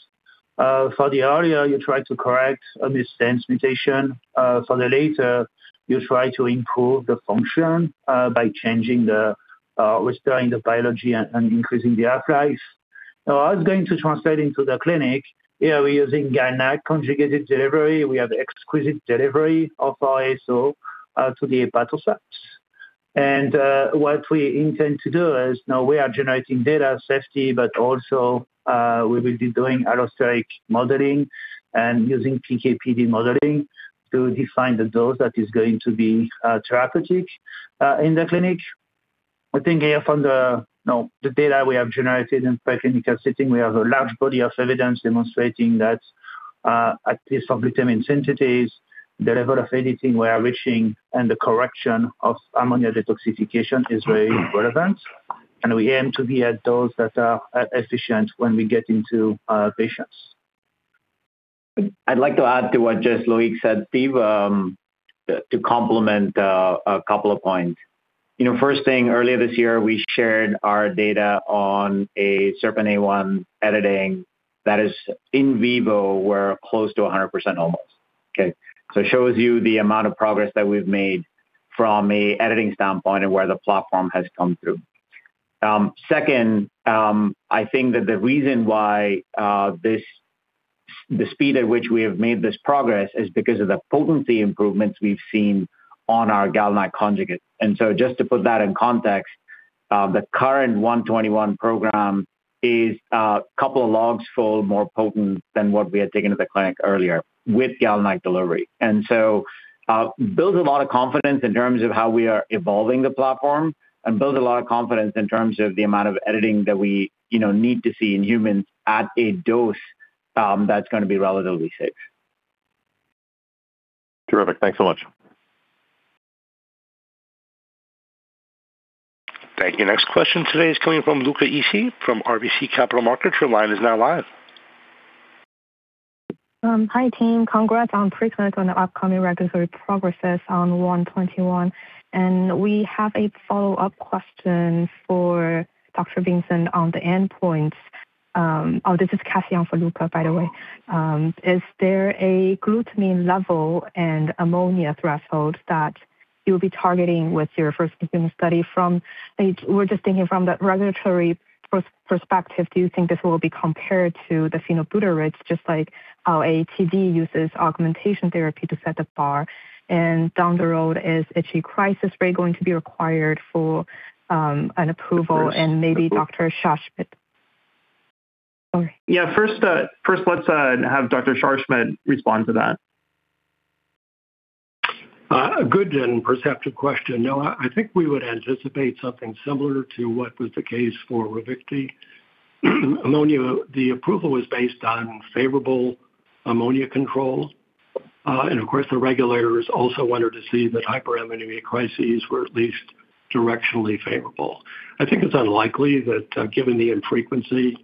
[SPEAKER 7] For the former, you try to correct a missense mutation. For the latter, you try to improve the function by changing the restoring the biology and increasing the half-life. Now, how it's going to translate into the clinic, here we're using GalNAc conjugated delivery. We have exquisite delivery of our ASO to the hepatocyte. And what we intend to do is, now we are generating data safety, but also we will be doing allosteric modeling and using PKPD modeling to define the dose that is going to be therapeutic in the clinic. I think here from the, you know, the data we have generated in preclinical setting, we have a large body of evidence demonstrating that, at least for Glutamine Synthetase, the level of editing we are reaching and the correction of ammonia detoxification is very relevant, and we aim to be at those that are efficient when we get into patients.
[SPEAKER 2] I'd like to add to what just Loïc said, Steve, to complement a couple of points. You know, first thing, earlier this year, we shared our data on a SERPINA1 editing that is in vivo, we're close to 100% almost, okay? So it shows you the amount of progress that we've made from a editing standpoint and where the platform has come through. Second, I think that the reason why the speed at which we have made this progress is because of the potency improvements we've seen on our GalNAc conjugate. And so just to put that in context, the current 121 program is couple of logs full more potent than what we had taken to the clinic earlier with GalNAc delivery. And so, builds a lot of confidence in terms of how we are evolving the platform and builds a lot of confidence in terms of the amount of editing that we, you know, need to see in humans at a dose, that's gonna be relatively safe.
[SPEAKER 10] Terrific. Thanks so much.
[SPEAKER 1] Thank you. Next question today is coming from Luca Issi from RBC Capital Markets. Your line is now live.
[SPEAKER 11] Hi, team. Congrats on pre-commit on the upcoming regulatory progresses on 121, and we have a follow-up question for Dr. Vincent on the endpoints. Oh, this is Cassie on for Luca, by the way. Is there a glutamine level and ammonia threshold that you'll be targeting with your first human study? We're just thinking from the regulatory perspective, do you think this will be compared to the phenylbutyrate, just like how AATD uses augmentation therapy to set the bar? And down the road, is OTC crisis rate going to be required for an approval and maybe Dr. Scharschmidt? Sorry.
[SPEAKER 2] Yeah, first, let's have Dr. Scharschmidt respond to that.
[SPEAKER 6] A good and perceptive question. No, I think we would anticipate something similar to what was the case for Ravicti. Ammonia, the approval was based on favorable ammonia control. And of course, the regulators also wanted to see that hyperammonemia crises were at least directionally favorable. I think it's unlikely that, given the infrequency,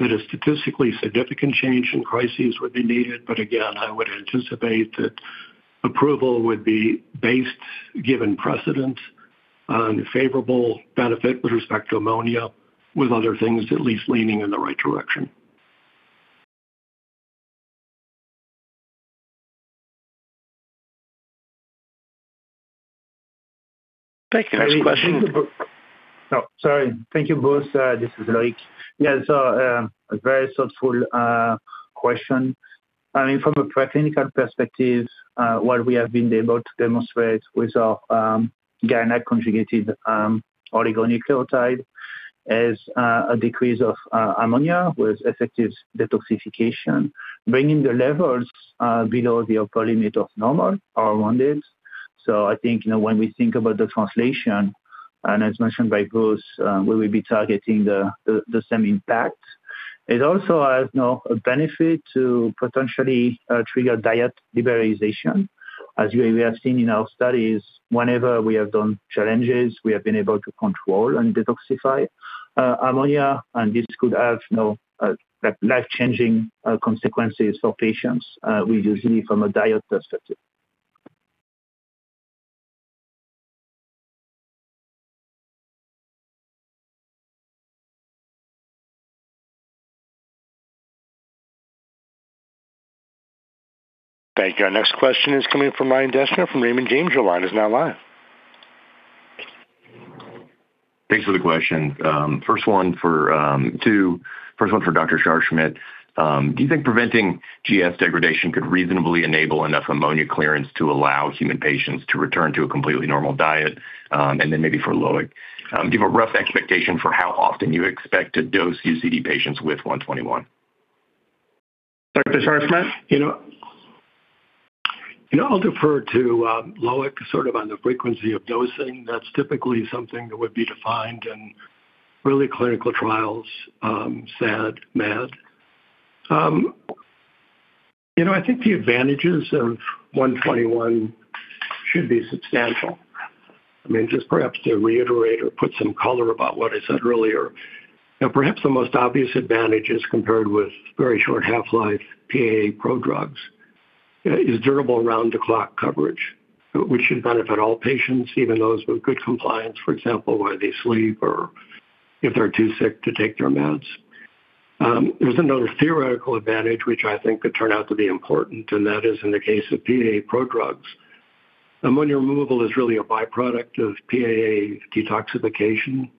[SPEAKER 6] that a statistically significant change in crises would be needed, but again, I would anticipate that approval would be based, given precedent on favorable benefit with respect to ammonia, with other things at least leaning in the right direction.
[SPEAKER 1] Thank you. Next question....
[SPEAKER 7] Oh, sorry. Thank you, Bruce. This is Loïc. Yeah, so, a very thoughtful question. I mean, from a preclinical perspective, what we have been able to demonstrate with our, GalNAc conjugated, oligonucleotide, is, a decrease of, ammonia with effective detoxification, bringing the levels, below the upper limit of normal or rounded. So I think, you know, when we think about the translation, and as mentioned by Bruce, we will be targeting the same impact. It also has, you know, a benefit to potentially, trigger diet liberalization. As we have seen in our studies, whenever we have done challenges, we have been able to control and detoxify, ammonia, and this could have, you know, life-changing, consequences for patients, we usually from a diet perspective.
[SPEAKER 1] Thank you. Our next question is coming from Ryan Deschner from Raymond James. Your line is now live.
[SPEAKER 12] Thanks for the question. First one for two. First one for Dr. Scharschmidt. Do you think preventing GS degradation could reasonably enable enough ammonia clearance to allow human patients to return to a completely normal diet? And then maybe for Loïc, give a rough expectation for how often you expect to dose UCD patients with 121.
[SPEAKER 3] Dr. Scharschmidt?
[SPEAKER 6] You know, you know, I'll defer to Loïc, sort of on the frequency of dosing. That's typically something that would be defined in early clinical trials, SAD, MAD. You know, I think the advantages of 121 should be substantial. I mean, just perhaps to reiterate or put some color about what I said earlier, and perhaps the most obvious advantage is compared with very short half-life PAA prodrugs, is durable around-the-clock coverage, which should benefit all patients, even those with good compliance, for example, where they sleep or if they're too sick to take their meds. There's another theoretical advantage, which I think could turn out to be important, and that is in the case of PAA prodrugs. Ammonia removal is really a byproduct of PAA detoxification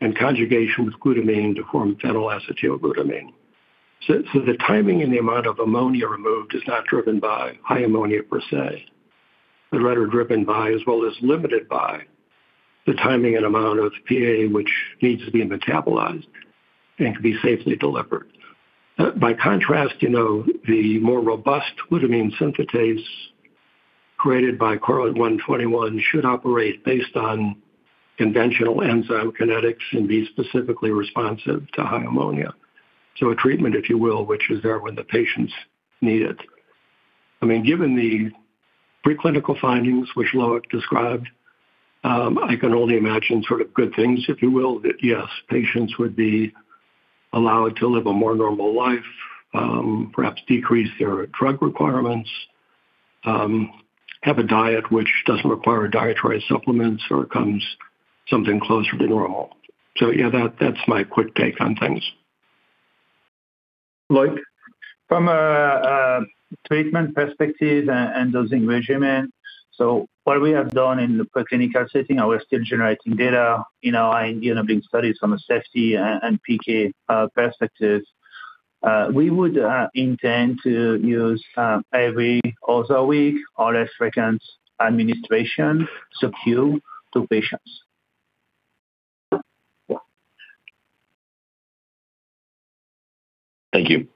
[SPEAKER 6] and conjugation with glutamine to form phenylacetylglutamine. So, so the timing and the amount of ammonia removed is not driven by high ammonia per se, but rather driven by, as well as limited by, the timing and amount of PAA, which needs to be metabolized and to be safely delivered. By contrast, you know, the more robust glutamine synthetase created by KRRO-121 should operate based on conventional enzyme kinetics and be specifically responsive to high ammonia. So a treatment, if you will, which is there when the patients need it. I mean, given the preclinical findings, which Loïc described, I can only imagine sort of good things, if you will, that, yes, patients would be allowed to live a more normal life, perhaps decrease their drug requirements, have a diet which doesn't require dietary supplements or comes something closer to normal. So yeah, that, that's my quick take on things.
[SPEAKER 3] Loic?
[SPEAKER 7] From a treatment perspective and dosing regimen, so what we have done in the preclinical setting, and we're still generating data, you know, and, you know, being studied from a safety and PK perspectives, we would intend to use every other week or as frequent administration subcu to patients.
[SPEAKER 12] Thank you.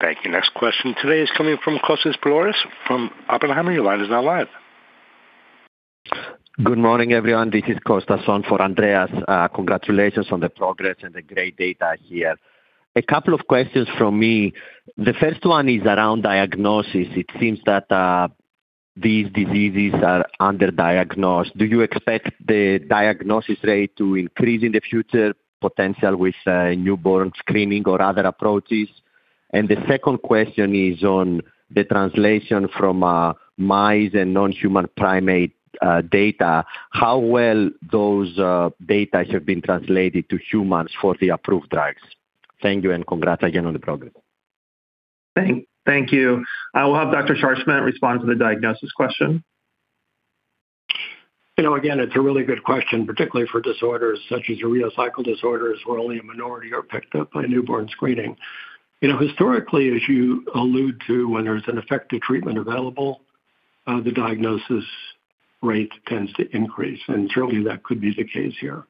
[SPEAKER 1] Thank you. Next question today is coming from Kostas Biliouris from Oppenheimer. Your line is now live.
[SPEAKER 13] Good morning, everyone. This is Kostas on for Andreas. Congratulations on the progress and the great data here. A couple of questions from me. The first one is around diagnosis. It seems that these diseases are underdiagnosed. Do you expect the diagnosis rate to increase in the future, potential with newborn screening or other approaches? And the second question is on the translation from mice and non-human primate data. How well those data have been translated to humans for the approved drugs? Thank you, and congrats again on the progress.
[SPEAKER 1] Thank you. I will have Dr. Scharschmidt respond to the diagnosis question.
[SPEAKER 6] You know, again, it's a really good question, particularly for disorders such as urea cycle disorders, where only a minority are picked up by newborn screening. You know, historically, as you allude to, when there's an effective treatment available, the diagnosis rate tends to increase, and certainly that could be the case here.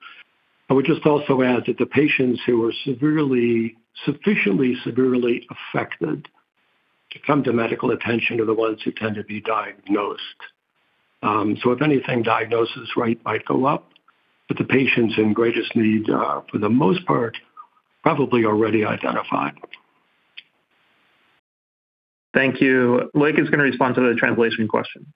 [SPEAKER 6] I would just also add that the patients who are severely, sufficiently severely affected to come to medical attention are the ones who tend to be diagnosed. So if anything, diagnosis rate might go up, but the patients in greatest need, for the most part, probably already identified.
[SPEAKER 3] Thank you. Loïc is going to respond to the translation question.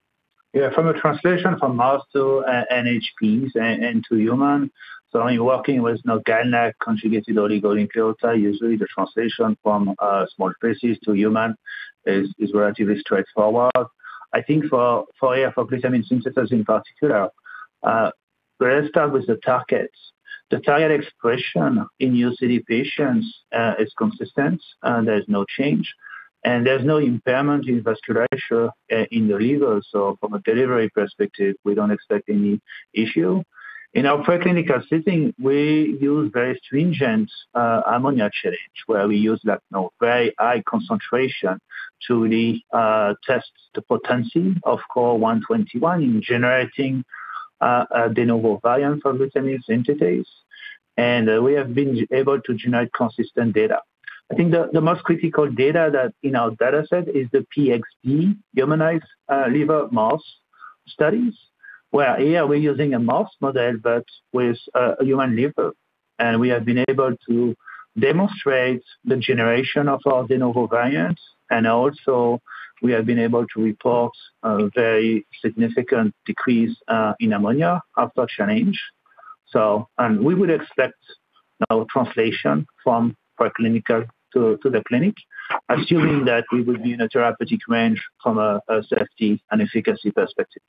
[SPEAKER 7] Yeah, from a translation from mouse to NHPs and to human, so I'm working with GalNAc conjugated oligonucleotide. Usually, the translation from small species to human is relatively straightforward. I think for glutamine synthetase in particular, we're going to start with the targets. The target expression in UCD patients is consistent, and there's no change, and there's no impairment in vascularization in the liver. So from a delivery perspective, we don't expect any issue. In our preclinical setting, we use very stringent ammonia challenge, where we use like, you know, very high concentration to really test the potency of KRRO-121 in generating de novo variants of glutamine synthetase, and we have been able to generate consistent data. I think the most critical data that in our dataset is the PXB humanized liver mouse studies, where here we're using a mouse model but with a human liver. And we have been able to demonstrate the generation of our de novo variants, and also we have been able to report a very significant decrease in ammonia after challenge. So, and we would expect now translation from preclinical to the clinic, assuming that we would be in a therapeutic range from a safety and efficacy perspective.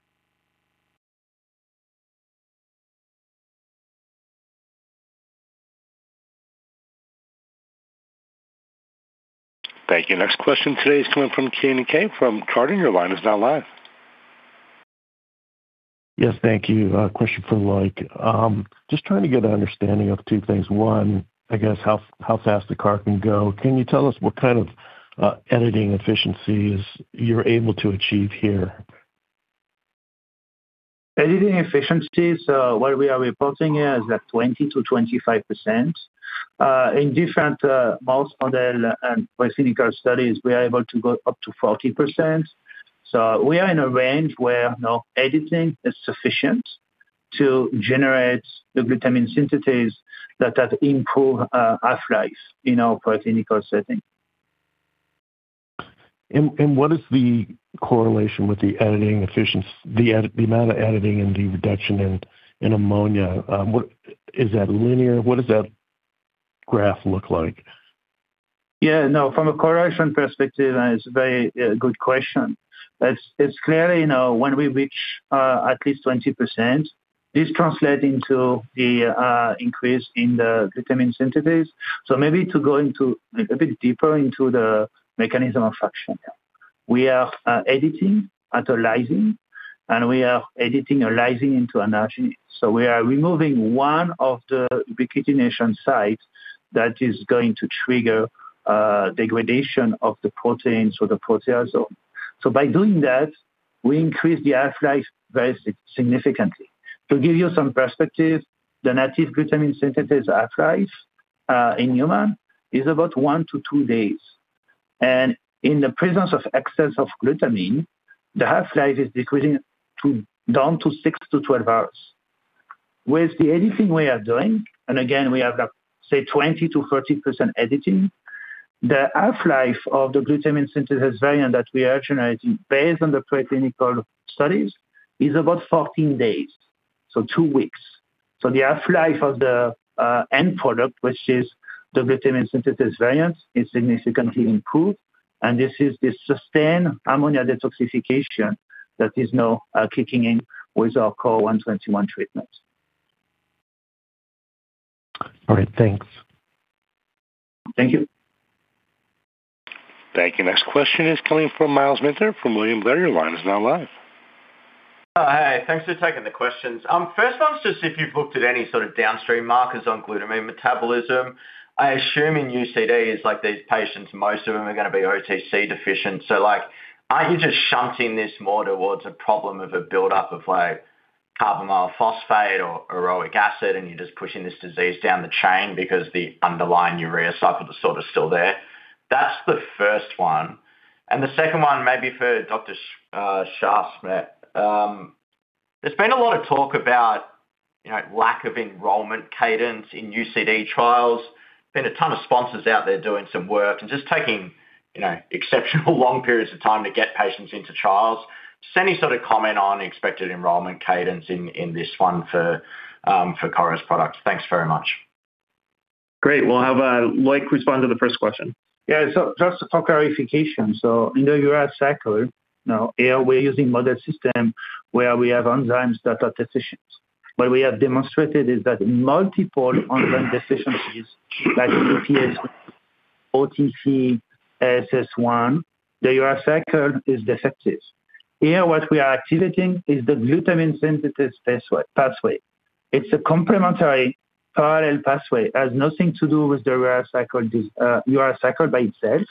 [SPEAKER 1] Thank you. Next question today is coming from Keay Nakae from Chardan. Your line is now live.
[SPEAKER 14] Yes, thank you. Question for Loïc. Just trying to get an understanding of two things. One, I guess, how fast the OPERA can go. Can you tell us what kind of editing efficiencies you're able to achieve here?
[SPEAKER 7] Editing efficiencies, what we are reporting here is that 20%-25%. In different mouse model and preclinical studies, we are able to go up to 40%. So we are in a range where now editing is sufficient to generate the glutamine synthetase that have improved half-lives in our preclinical setting.
[SPEAKER 14] What is the correlation with the editing efficiency, the amount of editing and the reduction in ammonia? Is that linear? What does that graph look like?
[SPEAKER 7] Yeah, no, from a correlation perspective, and it's a very good question. It's clear, you know, when we reach at least 20%, this translate into the increase in the glutamine synthetase. So maybe to go into a bit deeper into the mechanism of action. We are editing at a lysine, and we are editing a lysine into an arginine. So we are removing one of the ubiquitination sites that is going to trigger degradation of the protein, so the proteasome. So by doing that, we increase the half-life very significantly. To give you some perspective, the native glutamine synthetase half-life in human is about one-two days, and in the presence of excess of glutamine, the half-life is decreasing to down to six-12 hours. With the editing we are doing, and again, we have, like, say, 20%-30% editing, the half-life of the glutamine synthetase variant that we are generating based on the preclinical studies is about 14 days, so two weeks. So the half-life of the end product, which is the glutamine synthetase variant, is significantly improved, and this is the sustained ammonia detoxification that is now kicking in with our KRRO-121 treatment.
[SPEAKER 14] All right. Thanks.
[SPEAKER 7] Thank you.
[SPEAKER 1] Thank you. Next question is coming from Myles Minter from William Blair. Your line is now live.
[SPEAKER 15] Hi. Thanks for taking the questions. First one is just if you've looked at any sort of downstream markers on glutamine metabolism. I assume in UCD, it's like these patients, most of them are gonna be OTC deficient. So, like, aren't you just shunting this more towards a problem of a buildup of, like, carbamoyl phosphate or orotic acid, and you're just pushing this disease down the chain because the underlying urea cycle disorder is still there? That's the first one. The second one, maybe for Dr. Scharschmidt. There's been a lot of talk about, you know, lack of enrollment cadence in UCD trials. Been a ton of sponsors out there doing some work and just taking, you know, exceptional long periods of time to get patients into trials.
[SPEAKER 14] Just any sort of comment on expected enrollment cadence in this one for Korro's products? Thanks very much.
[SPEAKER 3] Great. We'll have Loïc respond to the first question.
[SPEAKER 7] Yeah, so just for clarification, so in the urea cycle, now, here we're using model system where we have enzymes that are deficient. What we have demonstrated is that multiple enzyme deficiencies, like CPS1, OTC, ASS1, the urea cycle is defective. Here, what we are activating is the glutamine synthetase pathway. It's a complementary parallel pathway, has nothing to do with the urea cycle by itself.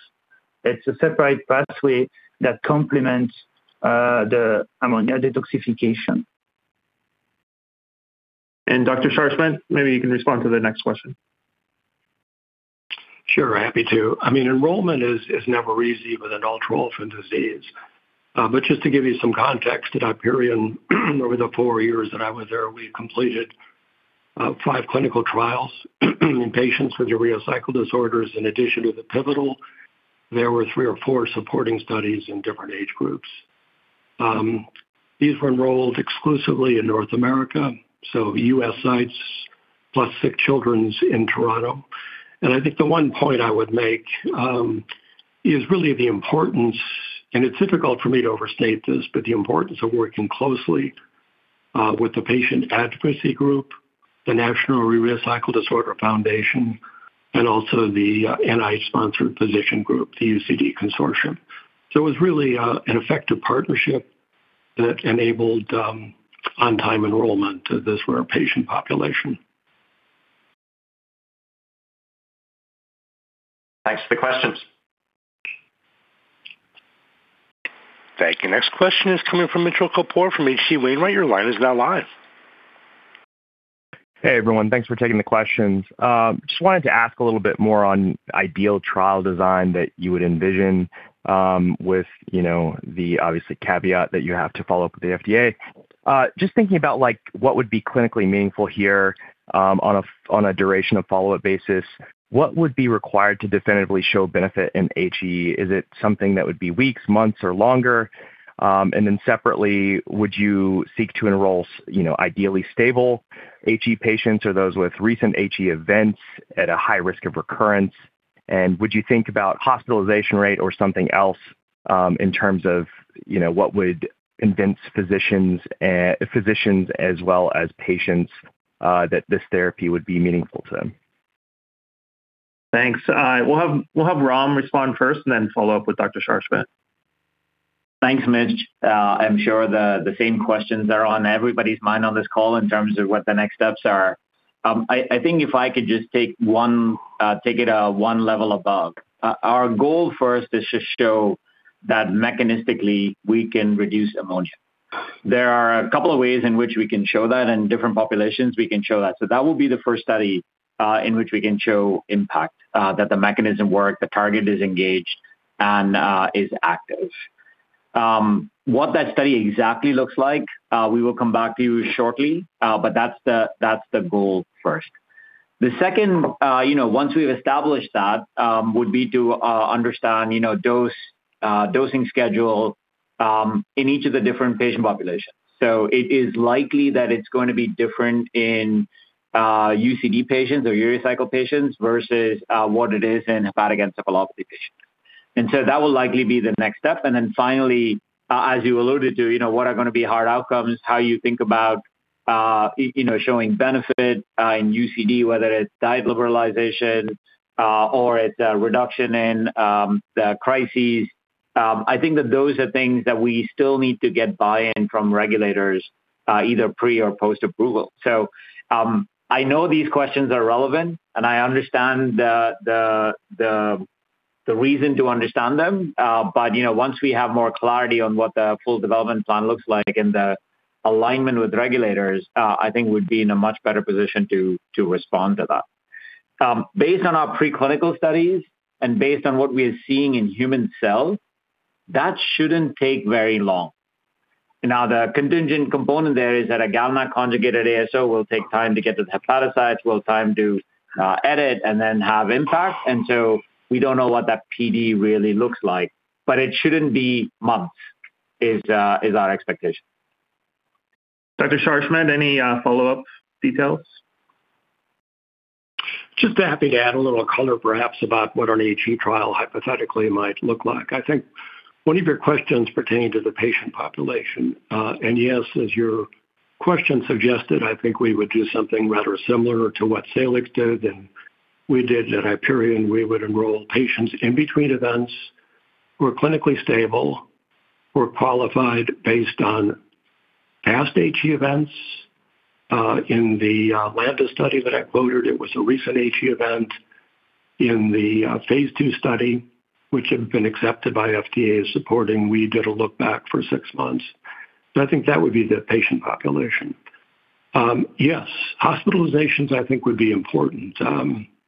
[SPEAKER 7] It's a separate pathway that complements the ammonia detoxification. And Dr. Scharschmidt, maybe you can respond to the next question.
[SPEAKER 6] Sure, happy to. I mean, enrollment is never easy with an ultra-orphan disease. But just to give you some context, at Hyperion, over the four years that I was there, we completed five clinical trials in patients with urea cycle disorders. In addition to the pivotal, there were three or four supporting studies in different age groups. These were enrolled exclusively in North America, so U.S. sites, plus SickKids in Toronto. And I think the one point I would make is really the importance, and it's difficult for me to overstate this, but the importance of working closely with the patient advocacy group, the National Urea Cycle Disorders Foundation, and also the NIH-sponsored physician group, the UCD Consortium. So it was really an effective partnership that enabled on-time enrollment to this rare patient population.
[SPEAKER 14] Thanks for the questions.
[SPEAKER 1] Thank you. Next question is coming from Mitchell Kapoor from H.C. Wainwright. Your line is now live.
[SPEAKER 16] Hey, everyone. Thanks for taking the questions. Just wanted to ask a little bit more on ideal trial design that you would envision, with, you know, the obvious caveat that you have to follow up with the FDA. Just thinking about, like, what would be clinically meaningful here, on a duration of follow-up basis, what would be required to definitively show benefit in HE? Is it something that would be weeks, months, or longer? And then separately, would you seek to enroll, you know, ideally stable HE patients or those with recent HE events at a high risk of recurrence? And would you think about hospitalization rate or something else, in terms of, you know, what would convince physicians as well as patients, that this therapy would be meaningful to them?
[SPEAKER 3] Thanks. We'll have Ram respond first and then follow up with Dr. Scharschmidt.
[SPEAKER 2] Thanks, Mitch. I'm sure the same questions are on everybody's mind on this call in terms of what the next steps are. I think if I could just take it one level above. Our goal first is to show that mechanistically we can reduce ammonia. There are a couple of ways in which we can show that, and different populations we can show that. So that will be the first study in which we can show impact that the mechanism work, the target is engaged, and is active. What that study exactly looks like, we will come back to you shortly, but that's the goal first. The second, you know, once we've established that, would be to understand, you know, dose, dosing schedule, in each of the different patient populations. So it is likely that it's going to be different in UCD patients or urea cycle patients versus what it is in hepatic encephalopathy patients. And then finally, as you alluded to, you know, what are gonna be hard outcomes, how you think about you know, showing benefit, in UCD, whether it's diet liberalization, or it's reduction in the crises. I think that those are things that we still need to get buy-in from regulators, either pre or post-approval. So, I know these questions are relevant, and I understand the reason to understand them, but, you know, once we have more clarity on what the full development plan looks like and the alignment with regulators, I think we'd be in a much better position to respond to that. Based on our preclinical studies and based on what we are seeing in human cells, that shouldn't take very long. Now, the contingent component there is that a GalNAc-conjugated ASO will take time to get to the hepatocytes, edit and then have impact, and so we don't know what that PD really looks like, but it shouldn't be months, is our expectation.
[SPEAKER 3] Dr. Scharschmidt, any follow-up details?
[SPEAKER 6] Just happy to add a little color perhaps about what an HE trial hypothetically might look like. I think one of your questions pertain to the patient population. And yes, as your question suggested, I think we would do something rather similar to what Salix did and we did at Hyperion. We would enroll patients in between events who are clinically stable, who are qualified based on past HE events. In the Lambda study that I quoted, it was a recent HE event. In the phase II study, which had been accepted by FDA as supporting, we did a look back for six months. So I think that would be the patient population. Yes, hospitalizations, I think, would be important.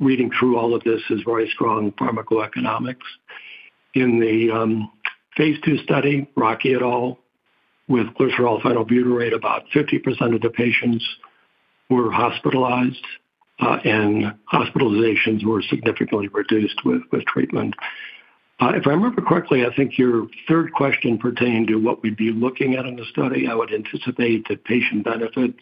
[SPEAKER 6] Reading through all of this is very strong pharmacoeconomics. In the phase II study, Rockey et al, with glycerol phenylbutyrate, about 50% of the patients were hospitalized, and hospitalizations were significantly reduced with treatment. If I remember correctly, I think your third question pertained to what we'd be looking at in the study. I would anticipate that patient benefit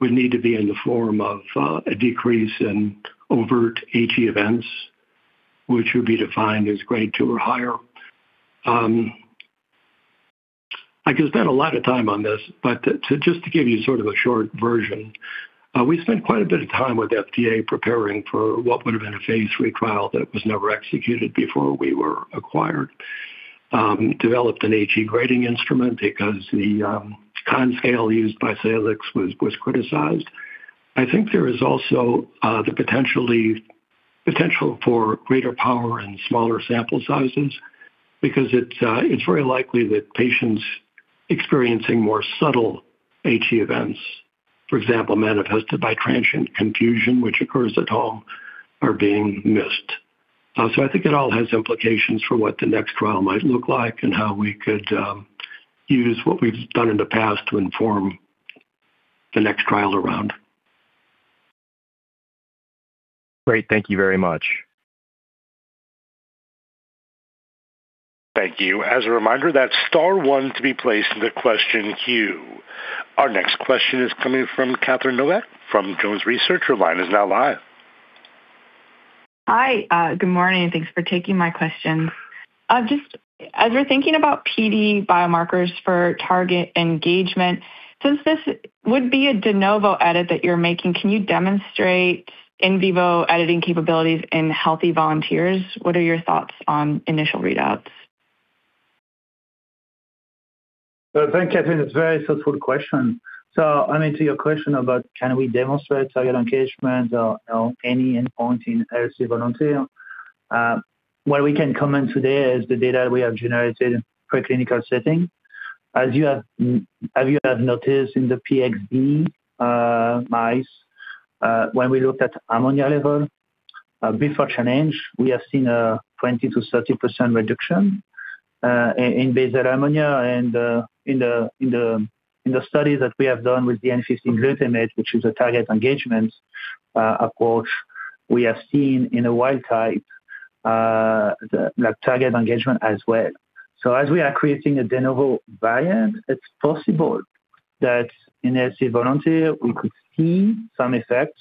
[SPEAKER 6] would need to be in the form of a decrease in overt HE events, which would be defined as grade 2 or higher. I could spend a lot of time on this, but to just give you sort of a short version, we spent quite a bit of time with FDA preparing for what would have been a phase III trial that was never executed before we were acquired. Developed an HE grading instrument because the Conn scale used by Salix was criticized. I think there is also the potential for greater power and smaller sample sizes because it's very likely that patients experiencing more subtle HE events, for example, manifested by transient confusion, which occurs at home, are being missed. So I think it all has implications for what the next trial might look like and how we could use what we've done in the past to inform the next trial around.
[SPEAKER 16] Great. Thank you very much. ...
[SPEAKER 1] Thank you. As a reminder, that's star one to be placed in the question queue. Our next question is coming from Catherine Novack, from Jones Research. Your line is now live.
[SPEAKER 5] Hi, good morning, and thanks for taking my question. Just as we're thinking about PD biomarkers for target engagement, since this would be a de novo edit that you're making, can you demonstrate in vivo editing capabilities in healthy volunteers? What are your thoughts on initial readouts?
[SPEAKER 7] Well, thank you, Catherine. That's a very thoughtful question. So I mean, to your question about can we demonstrate target engagement or any endpoint in healthy volunteer, what we can comment today is the data we have generated in preclinical setting. As you have noticed in the PXB-mice, when we looked at ammonia level before challenge, we have seen a 20%-30% reduction in basal ammonia and in the study that we have done with the 15N-glutamate, which is a target engagement approach, we have seen in a wild type the like target engagement as well. So as we are creating a de novo variant, it's possible that in a healthy volunteer, we could see some effect.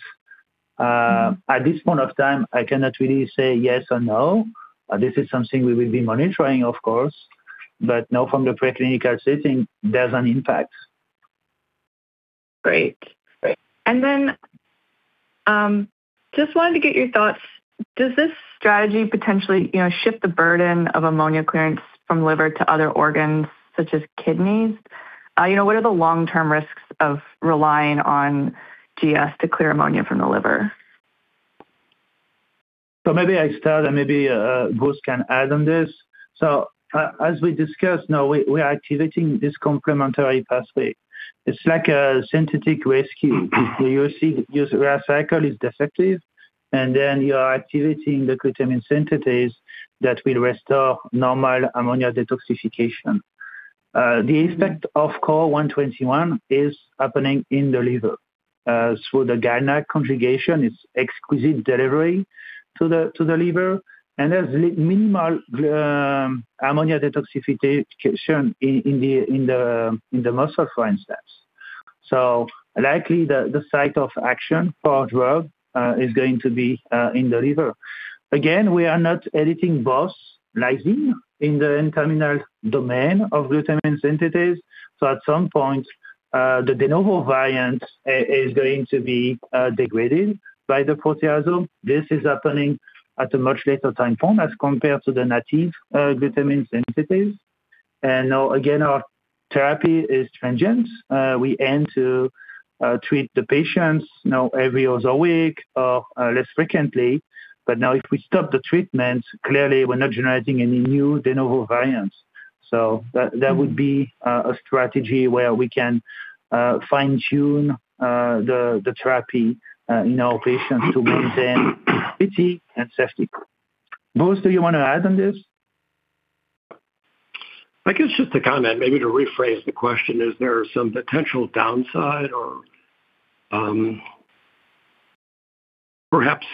[SPEAKER 7] At this point of time, I cannot really say yes or no. This is something we will be monitoring, of course, but now from the preclinical setting, there's an impact.
[SPEAKER 5] Great. Great. And then, just wanted to get your thoughts. Does this strategy potentially, you know, shift the burden of ammonia clearance from liver to other organs, such as kidneys? You know, what are the long-term risks of relying on GS to clear ammonia from the liver?
[SPEAKER 7] So maybe I start, and maybe, Bruce can add on this. So as we discussed, now, we are activating this complementary pathway. It's like a synthetic rescue. You see, your urea cycle is defective, and then you are activating the glutamine synthetase that will restore normal ammonia detoxification. The impact of KRRO-121 is happening in the liver, through the GalNAc conjugation, it's exquisite delivery to the liver, and there's minimal ammonia detoxification in the muscle, for instance. So likely, the site of action for our drug is going to be in the liver. Again, we are not editing both lysine in the N-terminal domain of glutamine synthetase, so at some point, the de novo variant is going to be degraded by the proteasome. This is happening at a much later time form as compared to the native glutamine synthetase. And now, again, our therapy is transient. We aim to treat the patients, you know, every other week or less frequently. But now, if we stop the treatment, clearly, we're not generating any new de novo variants. So that would be a strategy where we can fine-tune the therapy in our patients to maintain safety and efficacy. Bruce, do you want to add on this?
[SPEAKER 6] I guess just to comment, maybe to rephrase the question, is there some potential downside or, perhaps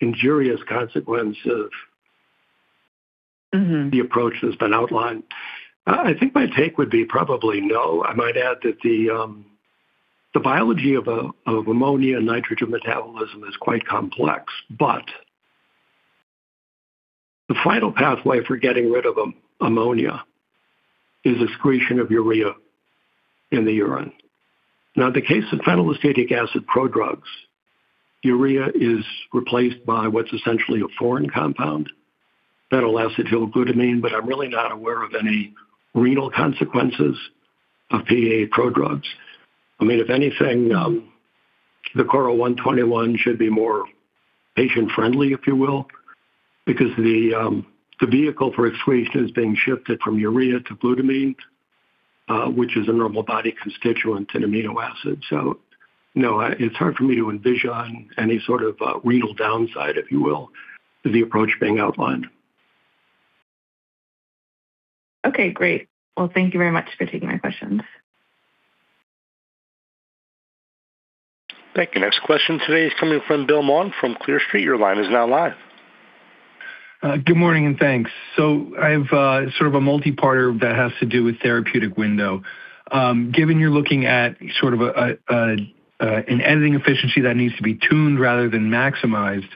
[SPEAKER 6] injurious consequence of-... the approach that's been outlined? I think my take would be probably no. I might add that the biology of ammonia and nitrogen metabolism is quite complex, but the final pathway for getting rid of ammonia is excretion of urea in the urine. Now, in the case of phenylacetic acid prodrugs, urea is replaced by what's essentially a foreign compound, phenylacetylglutamine, but I'm really not aware of any renal consequences of PAA prodrugs. I mean, if anything, the KRRO-121 should be more patient-friendly, if you will, because the vehicle for excretion is being shifted from urea to glutamine, which is a normal body constituent and amino acid. So no, it's hard for me to envision any sort of renal downside, if you will, to the approach being outlined.
[SPEAKER 5] Okay, great. Well, thank you very much for taking my questions.
[SPEAKER 1] Thank you. Next question today is coming from Bill Mui from Clear Street. Your line is now live.
[SPEAKER 17] Good morning, and thanks. I have sort of a multi-parter that has to do with therapeutic window. Given you're looking at sort of an editing efficiency that needs to be tuned rather than maximized,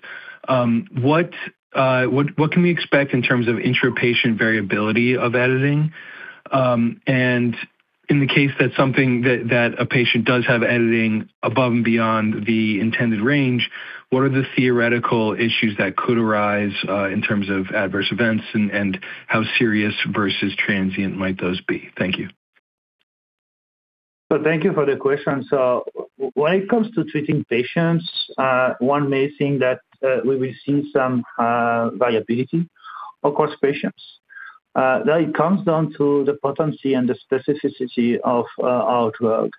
[SPEAKER 17] what can we expect in terms of intra-patient variability of editing? And in the case that something a patient does have editing above and beyond the intended range, what are the theoretical issues that could arise in terms of adverse events, and how serious versus transient might those be? Thank you.
[SPEAKER 7] So thank you for the question. So when it comes to treating patients, one may think that we will see some variability across patients. That it comes down to the potency and the specificity of our drug.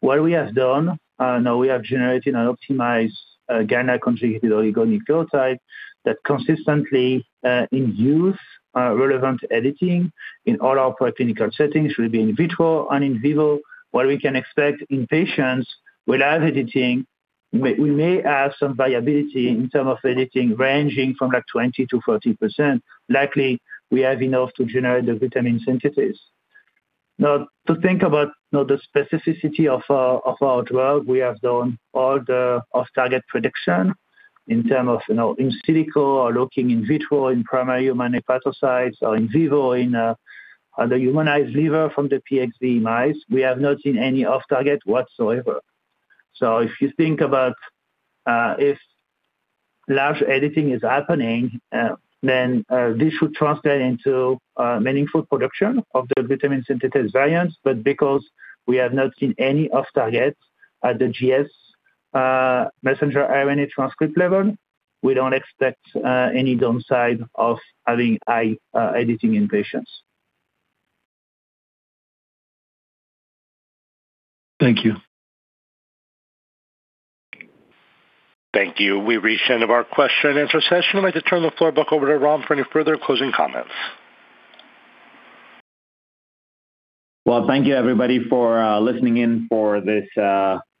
[SPEAKER 7] What we have done, now we have generated an optimized GalNAc-conjugated oligonucleotide that consistently induce relevant editing in all our preclinical settings, whether be in vitro and in vivo. What we can expect in patients without editing-... We may have some viability in terms of editing, ranging from like 20%-40%. Likely, we have enough to generate the urea synthesis. Now, to think about, you know, the specificity of our drug, we have done all the off-target prediction in terms of, you know, in silico or looking in vitro, in primary human hepatocytes or in vivo, in, on the humanized liver from the PXB-mice. We have not seen any off-target whatsoever. So if you think about, if large editing is happening, then, this should translate into, meaningful production of the urea synthesis variants, but because we have not seen any off-target at the GS, messenger RNA transcript level, we don't expect, any downside of having high, editing in patients.
[SPEAKER 17] Thank you.
[SPEAKER 1] Thank you. We've reached the end of our question-and-answer session. I'd like to turn the floor back over to Ram for any further closing comments.
[SPEAKER 2] Well, thank you, everybody, for listening in for this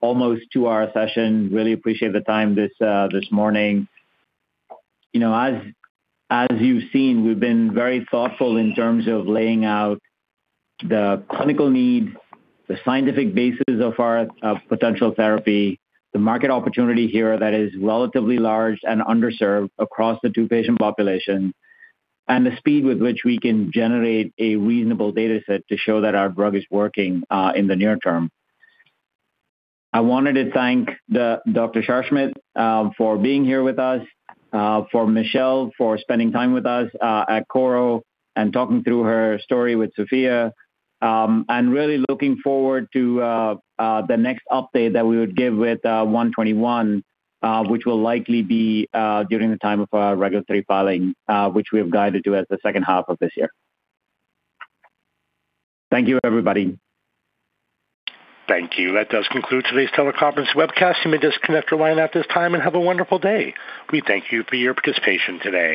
[SPEAKER 2] almost two-hour session. Really appreciate the time this morning. You know, as you've seen, we've been very thoughtful in terms of laying out the clinical need, the scientific basis of our potential therapy, the market opportunity here that is relatively large and underserved across the two patient population, and the speed with which we can generate a reasonable data set to show that our drug is working in the near term. I wanted to thank Dr. Scharschmidt for being here with us, for Michelle for spending time with us at Korro and talking through her story with Sophia. I'm really looking forward to the next update that we would give with 121, which will likely be during the time of our regulatory filing, which we have guided to as the second half of this year. Thank you, everybody.
[SPEAKER 1] Thank you. That does conclude today's teleconference webcast. You may disconnect your line at this time and have a wonderful day. We thank you for your participation today.